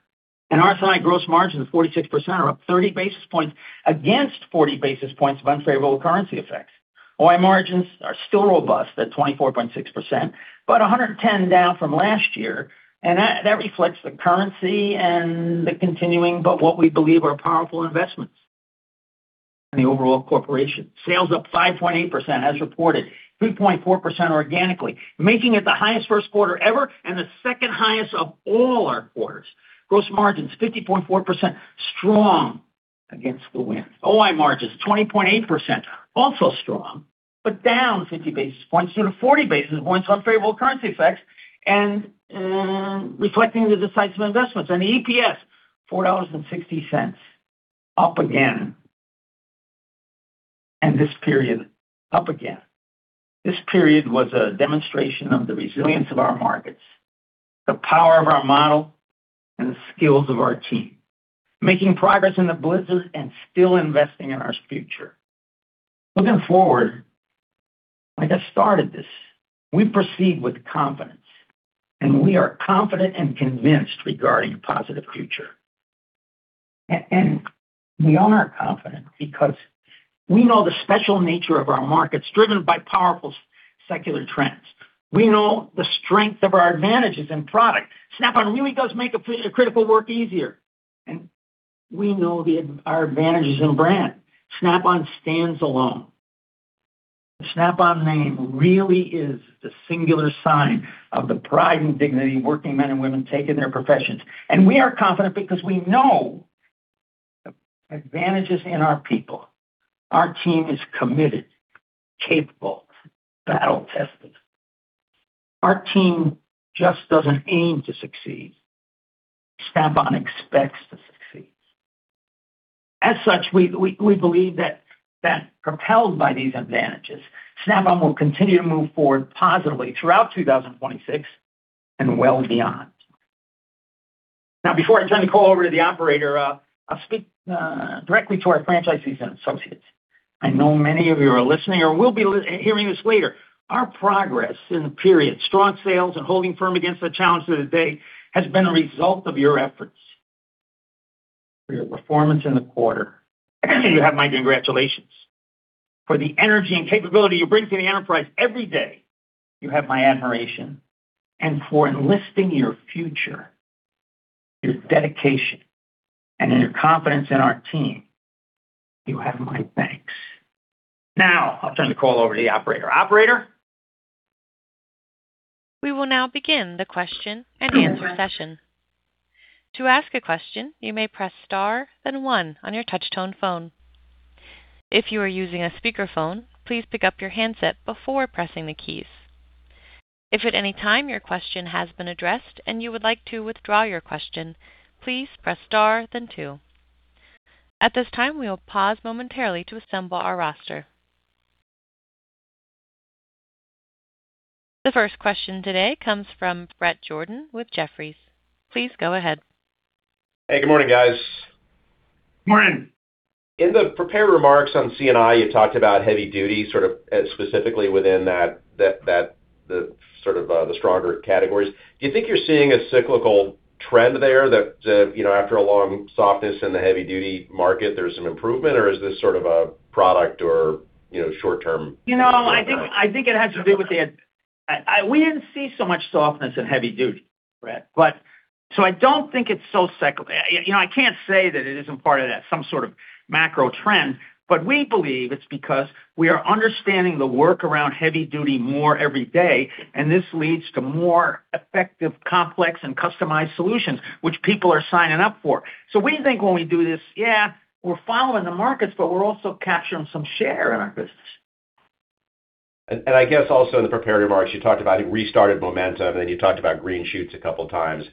RS&I gross margins 46% up 30 basis points against 40 basis points of unfavorable currency effects. OI margins are still robust at 24.6%, but 110 basis points down from last year, and that reflects the currency and the continuing, but what we believe are powerful investments in the overall corporation. Sales up 5.8% as reported, 3.4% organically, making it the highest first quarter ever and the second highest of all our quarters. Gross margins 50.4% strong against the wind. OI margins 20.8% also strong, but down 50 basis points due to 40 basis points unfavorable currency effects and reflecting the decisive investments. The EPS $4.60 up again. This period up again. This period was a demonstration of the resilience of our markets, the power of our model, and the skills of our team, making progress in the blizzard and still investing in our future. Looking forward, like I started this, we proceed with confidence, and we are confident and convinced regarding a positive future. We are confident because we know the special nature of our markets driven by powerful secular trends. We know the strength of our advantages and product. Snap-on really does make critical work easier, and we know our advantages in brand. Snap-on stands alone. The Snap-on name really is the singular sign of the pride and dignity working men and women take in their professions. We are confident because we know the advantages in our people. Our team is committed, capable, battle-tested. Our team just doesn't aim to succeed. Snap-on expects to succeed. As such, we believe that propelled by these advantages, Snap-on will continue to move forward positively throughout 2026 and well beyond. Now before I turn the call over to the operator, I'll speak directly to our franchisees and associates. I know many of you are listening or will be hearing this later. Our progress in the period, strong sales and holding firm against the challenges of today, has been a result of your efforts. For your performance in the quarter, you have my congratulations. For the energy and capability you bring to the enterprise every day, you have my admiration. For investing your future, your dedication, and your confidence in our team, you have my thanks. Now, I'll turn the call over to the operator. Operator? We will now begin the question-and-answer session. To ask a question, you may press star then one on your touch tone phone. If you are using a speakerphone, please pick up your handset before pressing the keys. If at any time your question has been addressed and you would like to withdraw your question, please press star then two. At this time, we will pause momentarily to assemble our roster. The first question today comes from Bret Jordan with Jefferies. Please go ahead. Hey, good morning, guys. Morning. In the prepared remarks on C&I, you talked about heavy duty sort of specifically within the sort of the stronger categories. Do you think you're seeing a cyclical trend there that after a long softness in the heavy duty market, there's some improvement, or is this sort of a product or short-term? I think it has to do with we didn't see so much softness in heavy duty, Brett. I don't think it's so cyclical. I can't say that it isn't part of that, some sort of macro trend, but we believe it's because we are understanding the work around heavy duty more every day, and this leads to more effective, complex, and customized solutions which people are signing up for. We think when we do this, yeah, we're following the markets, but we're also capturing some share in our business. I guess also in the prepared remarks, you talked about restarted momentum, and then you talked about green shoots a couple times.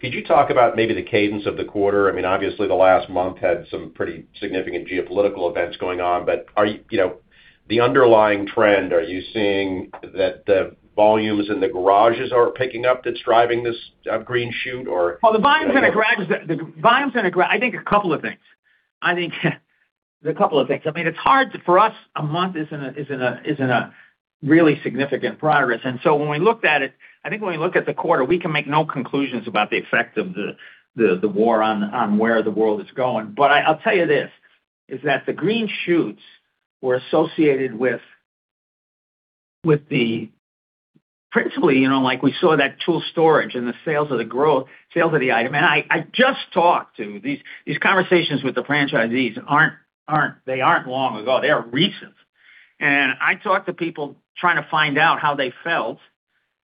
Could you talk about maybe the cadence of the quarter? I mean, obviously, the last month had some pretty significant geopolitical events going on. But the underlying trend, are you seeing that the volumes in the garages are picking up, that's driving this green shoot or? Well, the volumes in the garage, I think there's a couple of things. I mean, it's hard for us, a month isn't a really significant progress. When we looked at it, I think when we look at the quarter, we can make no conclusions about the effect of the war on where the world is going. I'll tell you this, is that the green shoots were associated with the principally, like we saw that tool storage and the sales of the growth, sales of the item. I just had these conversations with the franchisees they weren't long ago, they are recent. I talked to people trying to find out how they felt,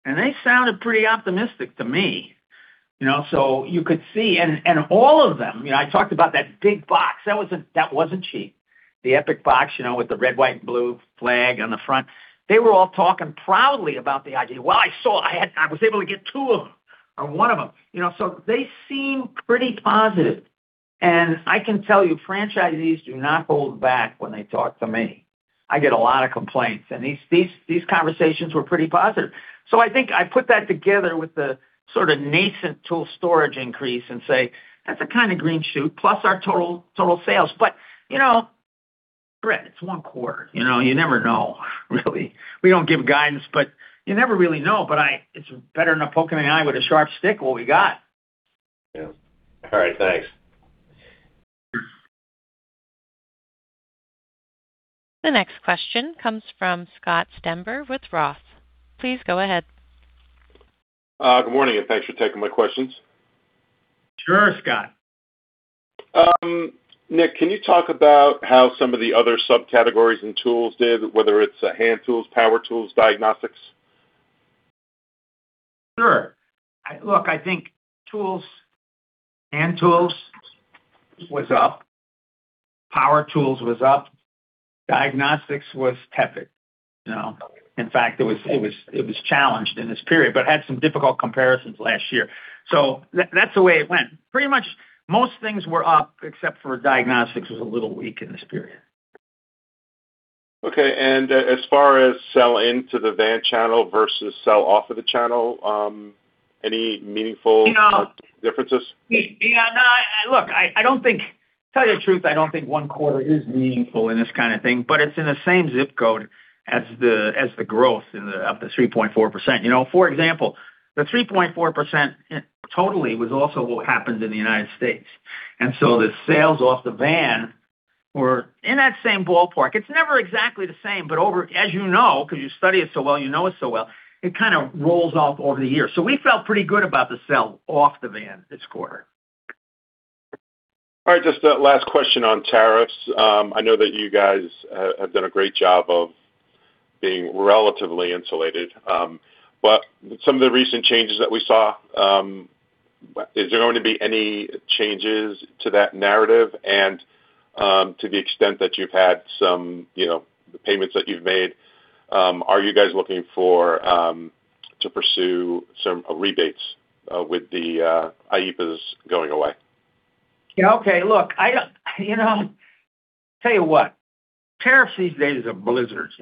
and they sounded pretty optimistic to me. You could see and all of them, I talked about that big box that wasn't cheap. The EPIQ box, with the red, white and blue flag on the front. They were all talking proudly about the idea. "Well, I saw I was able to get two of them or one of them." They seem pretty positive. I can tell you, franchisees do not hold back when they talk to me. I get a lot of complaints. These conversations were pretty positive. I think I put that together with the sort of nascent tool storage increase and say that's a kind of green shoot plus our total sales. Bret, it's one quarter, you never know really. We don't give guidance, but you never really know. It's better than a poke in the eye with a sharp stick, what we got. Yeah. All right, thanks. The next question comes from Scott Stember with Roth. Please go ahead. Good morning, and thanks for taking my questions. Sure, Scott. Nick, can you talk about how some of the other subcategories and tools did, whether it's hand tools, power tools, diagnostics? Sure. Look, I think tools, hand tools was up, power tools was up, diagnostics was tepid. In fact, it was challenged in this period, but had some difficult comparisons last year. So that's the way it went. Pretty much most things were up except for diagnostics was a little weak in this period. Okay. As far as sell into the van channel versus sell off of the channel, any meaningful differences? Yeah. Look, tell you the truth, I don't think one quarter is meaningful in this kind of thing, but it's in the same zip code as the growth up to 3.4%. For example, the 3.4% totally was also what happened in the United States. The sales off the van were in that same ballpark. It's never exactly the same, but over, as you know, because you study it so well, you know it so well, it kind of rolls off over the years. We felt pretty good about the sales off the van this quarter. All right. Just a last question on tariffs. I know that you guys have done a great job of being relatively insulated. Some of the recent changes that we saw, is there going to be any changes to that narrative? To the extent that you've had some, the payments that you've made, are you guys looking for, to pursue some rebates, with the IEEPA going away? Yeah. Okay. Look, I tell you what, tariffs these days are blizzards.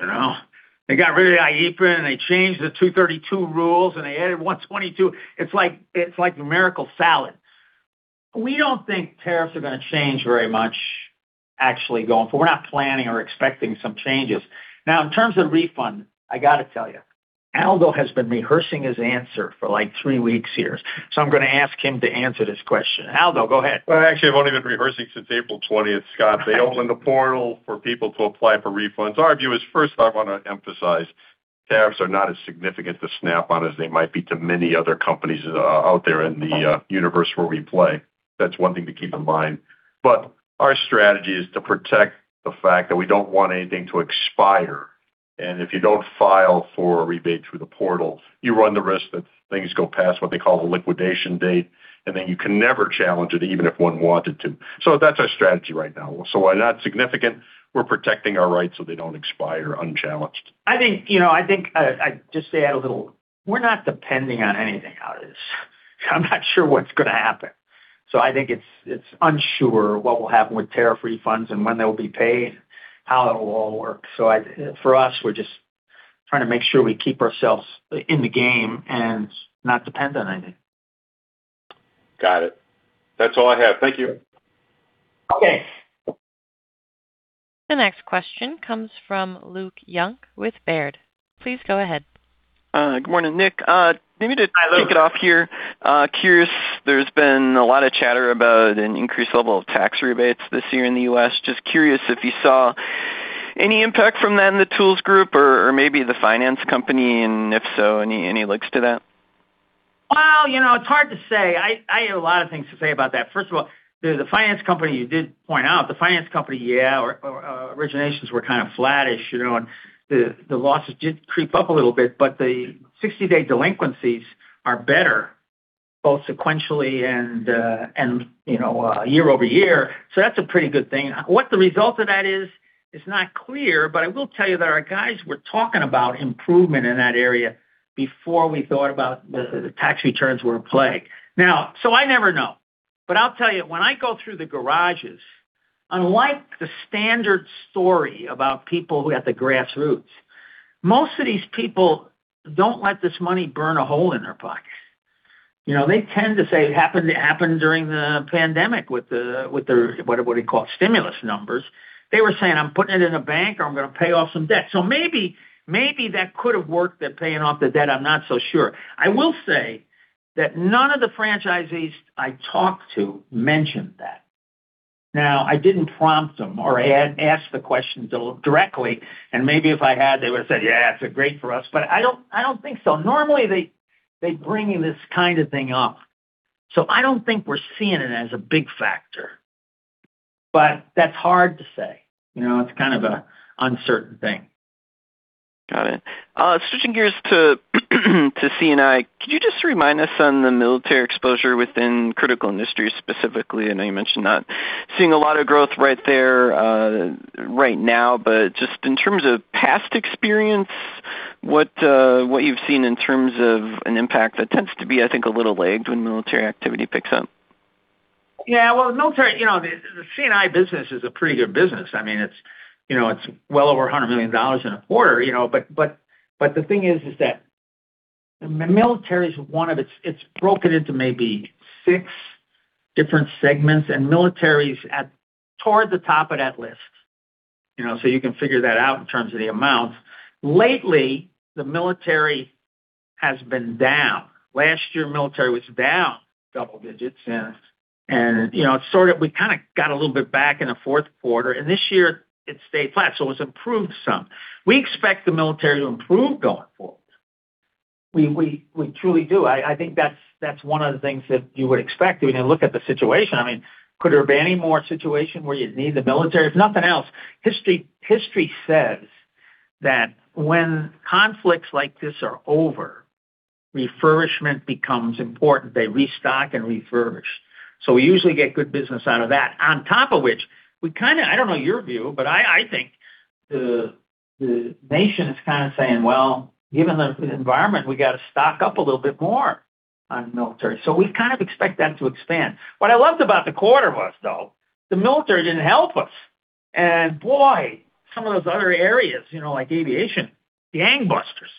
They got rid of IEEPA, and they changed the 232 rules, and they added 122. It's like numerical salad. We don't think tariffs are going to change very much, actually going forward. We're not planning or expecting some changes. Now, in terms of refund, I got to tell you, Aldo has been rehearsing his answer for like three weeks here. I'm going to ask him to answer this question. Aldo, go ahead. Well, actually, I've only been rehearsing since April 20th, Scott. They opened a portal for people to apply for refunds. Our view is first, I want to emphasize tariffs are not as significant to Snap-on as they might be to many other companies out there in the universe where we play. That's one thing to keep in mind. Our strategy is to protect the fact that we don't want anything to expire. If you don't file for a rebate through the portal, you run the risk that things go past what they call the liquidation date, and then you can never challenge it, even if one wanted to. That's our strategy right now. While not significant, we're protecting our rights so they don't expire unchallenged. I think, just to add a little, we're not depending on anything out of this. I'm not sure what's going to happen. I think it's unsure what will happen with tariff refunds and when they will be paid and how it will all work. For us, we're just trying to make sure we keep ourselves in the game and not depend on anything. Got it. That's all I have. Thank you. Okay. The next question comes from Luke Junk with Baird. Please go ahead. Good morning, Nick. Maybe to kick it off here, curious, there's been a lot of chatter about an increased level of tax rebates this year in the U.S. Just curious if you saw any impact from that in the Tools Group or maybe the finance company, and if so, any looks to that? Well, it's hard to say. I have a lot of things to say about that. First of all, the finance company, you did point out. The finance company, yeah, our originations were kind of flattish, and the losses did creep up a little bit, but the 60-day delinquencies are better, both sequentially and year-over-year. That's a pretty good thing. What the result of that is not clear. I will tell you that our guys were talking about improvement in that area before we thought about the tax returns were in play. Now, I never know. I'll tell you, when I go through the garages, unlike the standard story about people who at the grassroots, most of these people don't let this money burn a hole in their pocket. They tend to say it happened during the pandemic with what do you call it, stimulus numbers. They were saying, "I'm putting it in a bank or I'm going to pay off some debt." Maybe that could have worked, that paying off the debt, I'm not so sure. I will say that none of the franchisees I talked to mentioned that. Now, I didn't prompt them or ask the question directly, and maybe if I had, they would've said, "Yeah, it's great for us," but I don't think so. Normally, they bring this kind of thing up. I don't think we're seeing it as a big factor, but that's hard to say. It's kind of an uncertain thing. Got it. Switching gears to C&I, could you just remind us on the military exposure within critical industries specifically? I know you mentioned not seeing a lot of growth right there right now, but just in terms of past experience, what you've seen in terms of an impact that tends to be, I think, a little lagged when military activity picks up. Yeah. Well, the C&I business is a pretty good business. It's well over $100 million in a quarter. The thing is, that the military, it's broken into maybe six different segments, and military's toward the top of that list. You can figure that out in terms of the amounts. Lately, the military has been down. Last year, military was down double digits. We kind of got a little bit back in the fourth quarter, and this year it stayed flat. It's improved some. We expect the military to improve going forward. We truly do. I think that's one of the things that you would expect when you look at the situation. Could there be any more situation where you'd need the military? If nothing else, history says that when conflicts like this are over, refurbishment becomes important. They restock and refurbish. We usually get good business out of that. On top of which, I don't know your view, but I think the nation is kind of saying, "Well, given the environment, we got to stock up a little bit more on military." We kind of expect that to expand. What I loved about the quarter was, though, the military didn't help us, and boy, some of those other areas like aviation, gangbusters.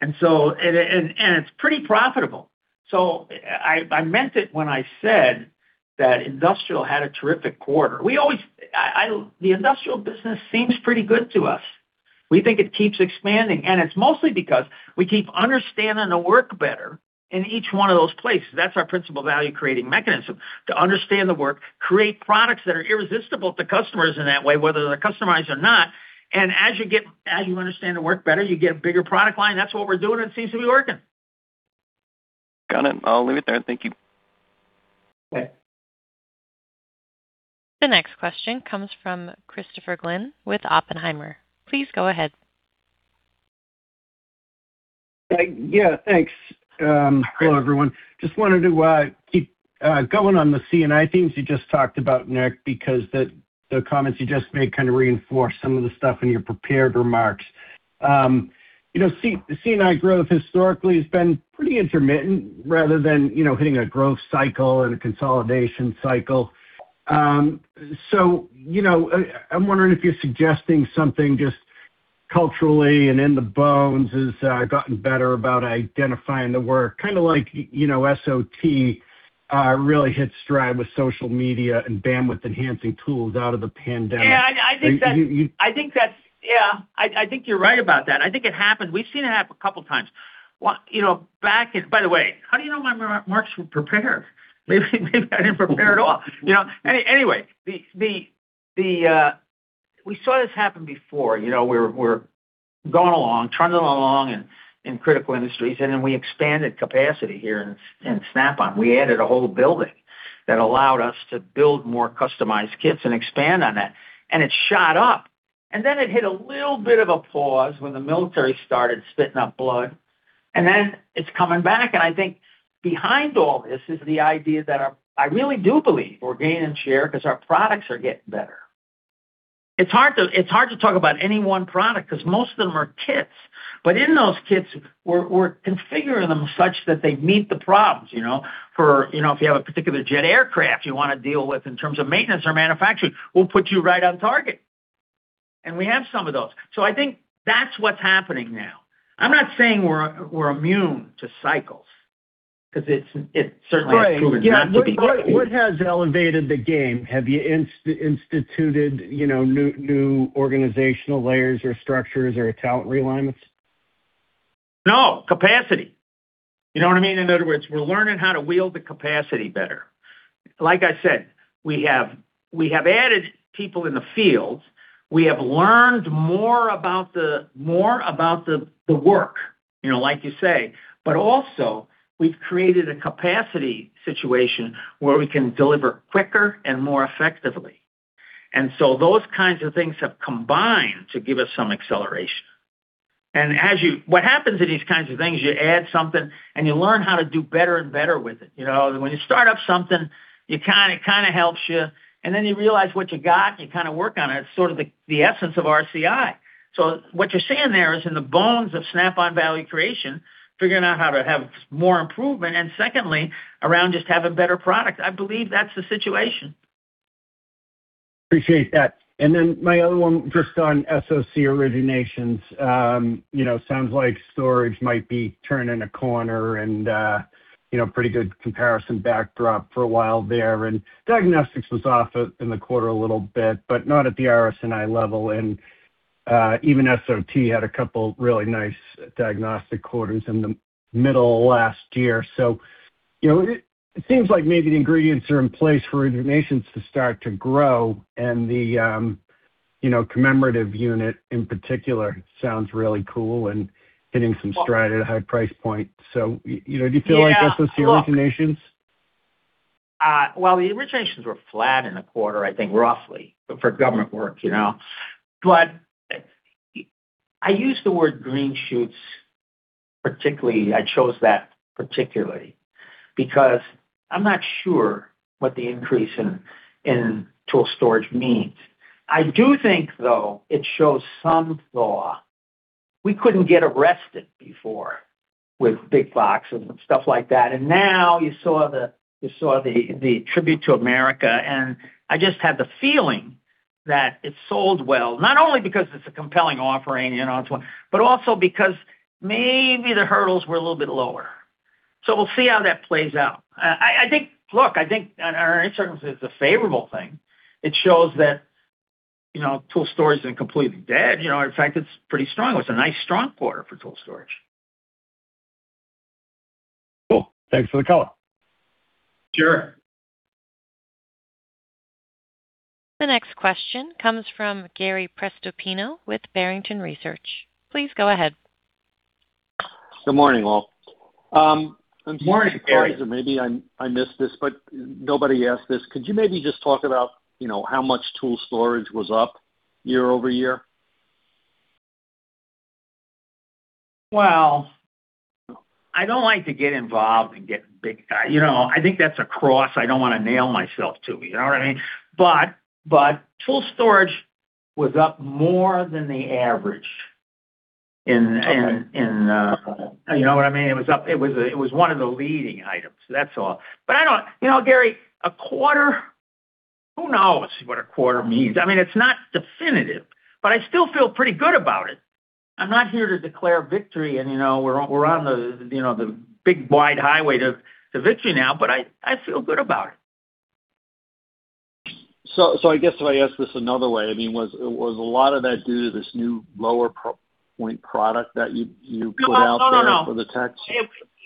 It's pretty profitable. I meant it when I said that industrial had a terrific quarter. The industrial business seems pretty good to us. We think it keeps expanding, and it's mostly because we keep understanding the work better in each one of those places. That's our principal value-creating mechanism, to understand the work, create products that are irresistible to customers in that way, whether they're customized or not, and as you understand the work better, you get a bigger product line. That's what we're doing, and it seems to be working. Got it. I'll leave it there. Thank you. Okay. The next question comes from Christopher Glynn with Oppenheimer. Please go ahead. Yeah, thanks. Hello, everyone. Just wanted to keep going on the C&I themes you just talked about, Nick, because the comments you just made kind of reinforce some of the stuff in your prepared remarks. C&I growth historically has been pretty intermittent rather than hitting a growth cycle and a consolidation cycle. I'm wondering if you're suggesting something just culturally and in the bones has gotten better about identifying the work, kind of like SOT really hit stride with social media and bandwidth-enhancing tools out of the pandemic. Yeah. I think you're right about that. I think it happened. We've seen it happen a couple times. By the way, how do you know my remarks were prepared? Maybe I didn't prepare at all. Anyway, we saw this happen before. We're going along, tooling along in critical industries, and then we expanded capacity here in Snap-on. We added a whole building that allowed us to build more customized kits and expand on that, and it shot up. It hit a little bit of a pause when the military started spitting up blood, and then it's coming back. I think behind all this is the idea that I really do believe we're gaining share because our products are getting better. It's hard to talk about any one product because most of them are kits. In those kits, we're configuring them such that they meet the problems. If you have a particular jet aircraft you want to deal with in terms of maintenance or manufacturing, we'll put you right on target, and we have some of those. I think that's what's happening now. I'm not saying we're immune to cycles, because it certainly has proven not to be. Right. What has elevated the game? Have you instituted new organizational layers or structures or talent realignments? No. Capacity. You know what I mean? In other words, we're learning how to wield the capacity better. Like I said, we have added people in the fields. We have learned more about the work, like you say, but also, we've created a capacity situation where we can deliver quicker and more effectively. Those kinds of things have combined to give us some acceleration. What happens in these kinds of things, you add something, and you learn how to do better and better with it. When you start up something, it kind of helps you, and then you realize what you got, and you kind of work on it. It's sort of the essence of RCI. What you're seeing there is in the bones of Snap-on value creation, figuring out how to have more improvement, and secondly, around just having better product. I believe that's the situation. Appreciate that. Then my other one, just on SOT originations. Sounds like storage might be turning a corner and pretty good comparison backdrop for a while there. Diagnostics was off in the quarter a little bit, but not at the RS&I level and even SOT had a couple really nice diagnostic quarters in the middle of last year. It seems like maybe the ingredients are in place for originations to start to grow, and the commemorative unit, in particular, sounds really cool and hitting some stride at a high price point. Do you feel like that's the case with originations? Well, the foreign nations were flat in the quarter, I think roughly, but for government work. I use the word green shoots particularly. I chose that particularly because I'm not sure what the increase in tool storage means. I do think, though, it shows some thaw. We couldn't get arrested before with big boxes and stuff like that. Now you saw the Tribute to America, and I just had the feeling that it sold well, not only because it's a compelling offering, but also because maybe the hurdles were a little bit lower. We'll see how that plays out. Look, I think in our circumstances, it's a favorable thing. It shows that tool storage isn't completely dead. In fact, it's pretty strong. It's a nice, strong quarter for tool storage. Cool. Thanks for the color. Sure. The next question comes from Gary Prestopino with Barrington Research. Please go ahead. Good morning, all. Morning, Gary. Maybe I missed this, but nobody asked this. Could you maybe just talk about how much tool storage was up year-over-year? Well, I don't like to get involved and get big. I think that's a cross I don't want to nail myself to. You know what I mean? Tool storage was up more than the average in- Okay. You know what I mean? It was one of the leading items, that's all. Gary, a quarter, who knows what a quarter means? It's not definitive, but I still feel pretty good about it. I'm not here to declare victory, and we're on the big wide highway to victory now, but I feel good about it. I guess if I ask this another way, was a lot of that due to this new lower price point product that you put out there for the techs?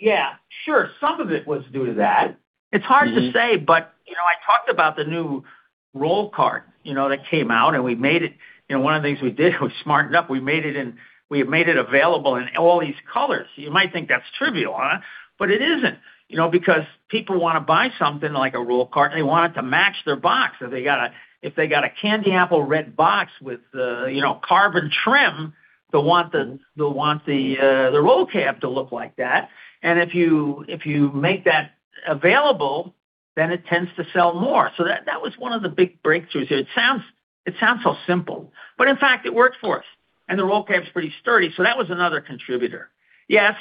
Yeah, sure. Some of it was due to that. It's hard to say, but I talked about the new roll cart that came out, and one of the things we did was smarten up. We made it available in all these colors. You might think that's trivial, but it isn't. Because people want to buy something like a roll cart, and they want it to match their box. If they got a candy apple red box with carbon trim, they'll want the roll cab to look like that. If you make that available, then it tends to sell more. That was one of the big breakthroughs here. It sounds so simple, but in fact, it worked for us. The roll cab's pretty sturdy. That was another contributor. Yes,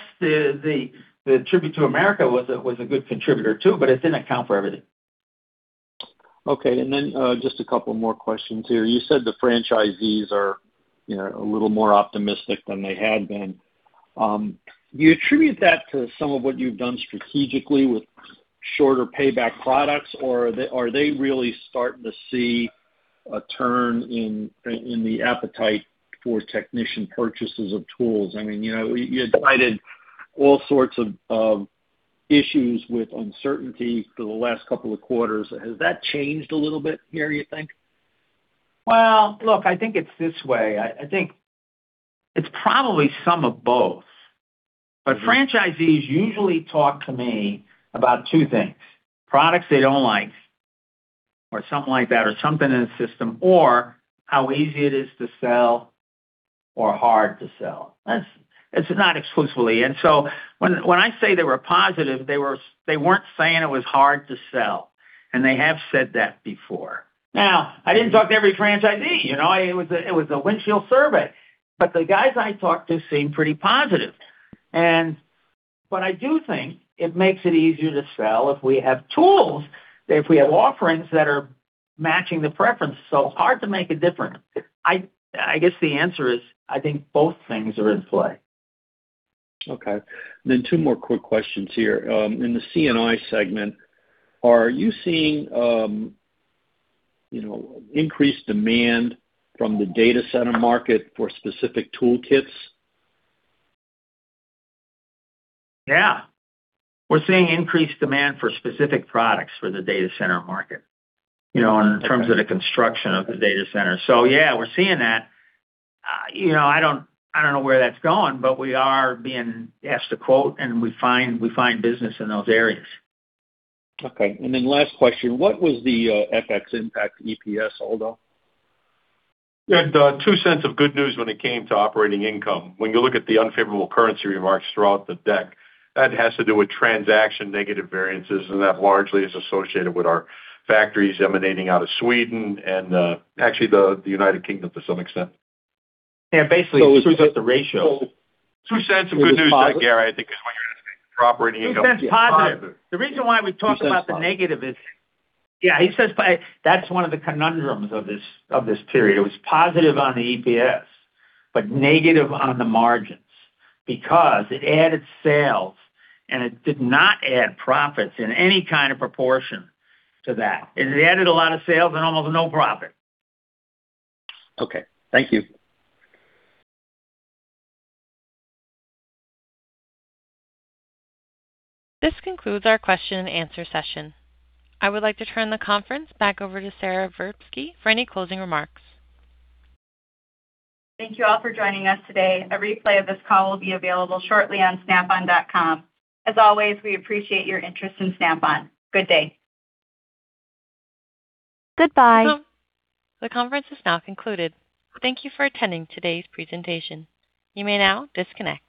the Tribute to America was a good contributor, too, but it didn't account for everything. Okay. Just a couple more questions here. You said the franchisees are a little more optimistic than they had been. Do you attribute that to some of what you've done strategically with shorter payback products, or are they really starting to see a turn in the appetite for technician purchases of tools? You had cited all sorts of issues with uncertainty for the last couple of quarters. Has that changed a little bit here, you think? Well, look, I think it's this way. I think it's probably some of both. Franchisees usually talk to me about two things, products they don't like or something like that, or something in the system, or how easy it is to sell or hard to sell. It's not exclusively. When I say they were positive, they weren't saying it was hard to sell. They have said that before. Now, I didn't talk to every franchisee. It was a windshield survey, but the guys I talked to seemed pretty positive. I do think it makes it easier to sell if we have tools, if we have offerings that are matching the preference. Hard to make a difference. I guess the answer is, I think both things are in play. Okay. Two more quick questions here. In the C&I segment, are you seeing increased demand from the data center market for specific toolkits? Yeah. We're seeing increased demand for specific products for the data center market, in terms of the construction of the data center. Yeah, we're seeing that. I don't know where that's going, but we are being asked to quote, and we find business in those areas. Okay. Last question, what was the FX impact to EPS, Aldo? We had two cents of good news when it came to operating income. When you look at the unfavorable currency remarks throughout the deck, that has to do with transaction negative variances, and that largely is associated with our factories emanating out of Sweden and actually the United Kingdom to some extent. Yeah, basically, it's just the ratio. Two cents of good news there, Gary. I think is when you're going to think operating income. $0.02 positive. The reason why we talk about the negative is, yeah, he says, that's one of the conundrums of this period. It was positive on the EPS, but negative on the margins because it added sales, and it did not add profits in any kind of proportion to that. It added a lot of sales and almost no profit. Okay. Thank you. This concludes our question and answer session. I would like to turn the conference back over to Sara Verbsky for any closing remarks. Thank you all for joining us today. A replay of this call will be available shortly on snapon.com. As always, we appreciate your interest in Snap-on. Good day. Goodbye. The conference is now concluded. Thank you for attending today's presentation. You may now disconnect.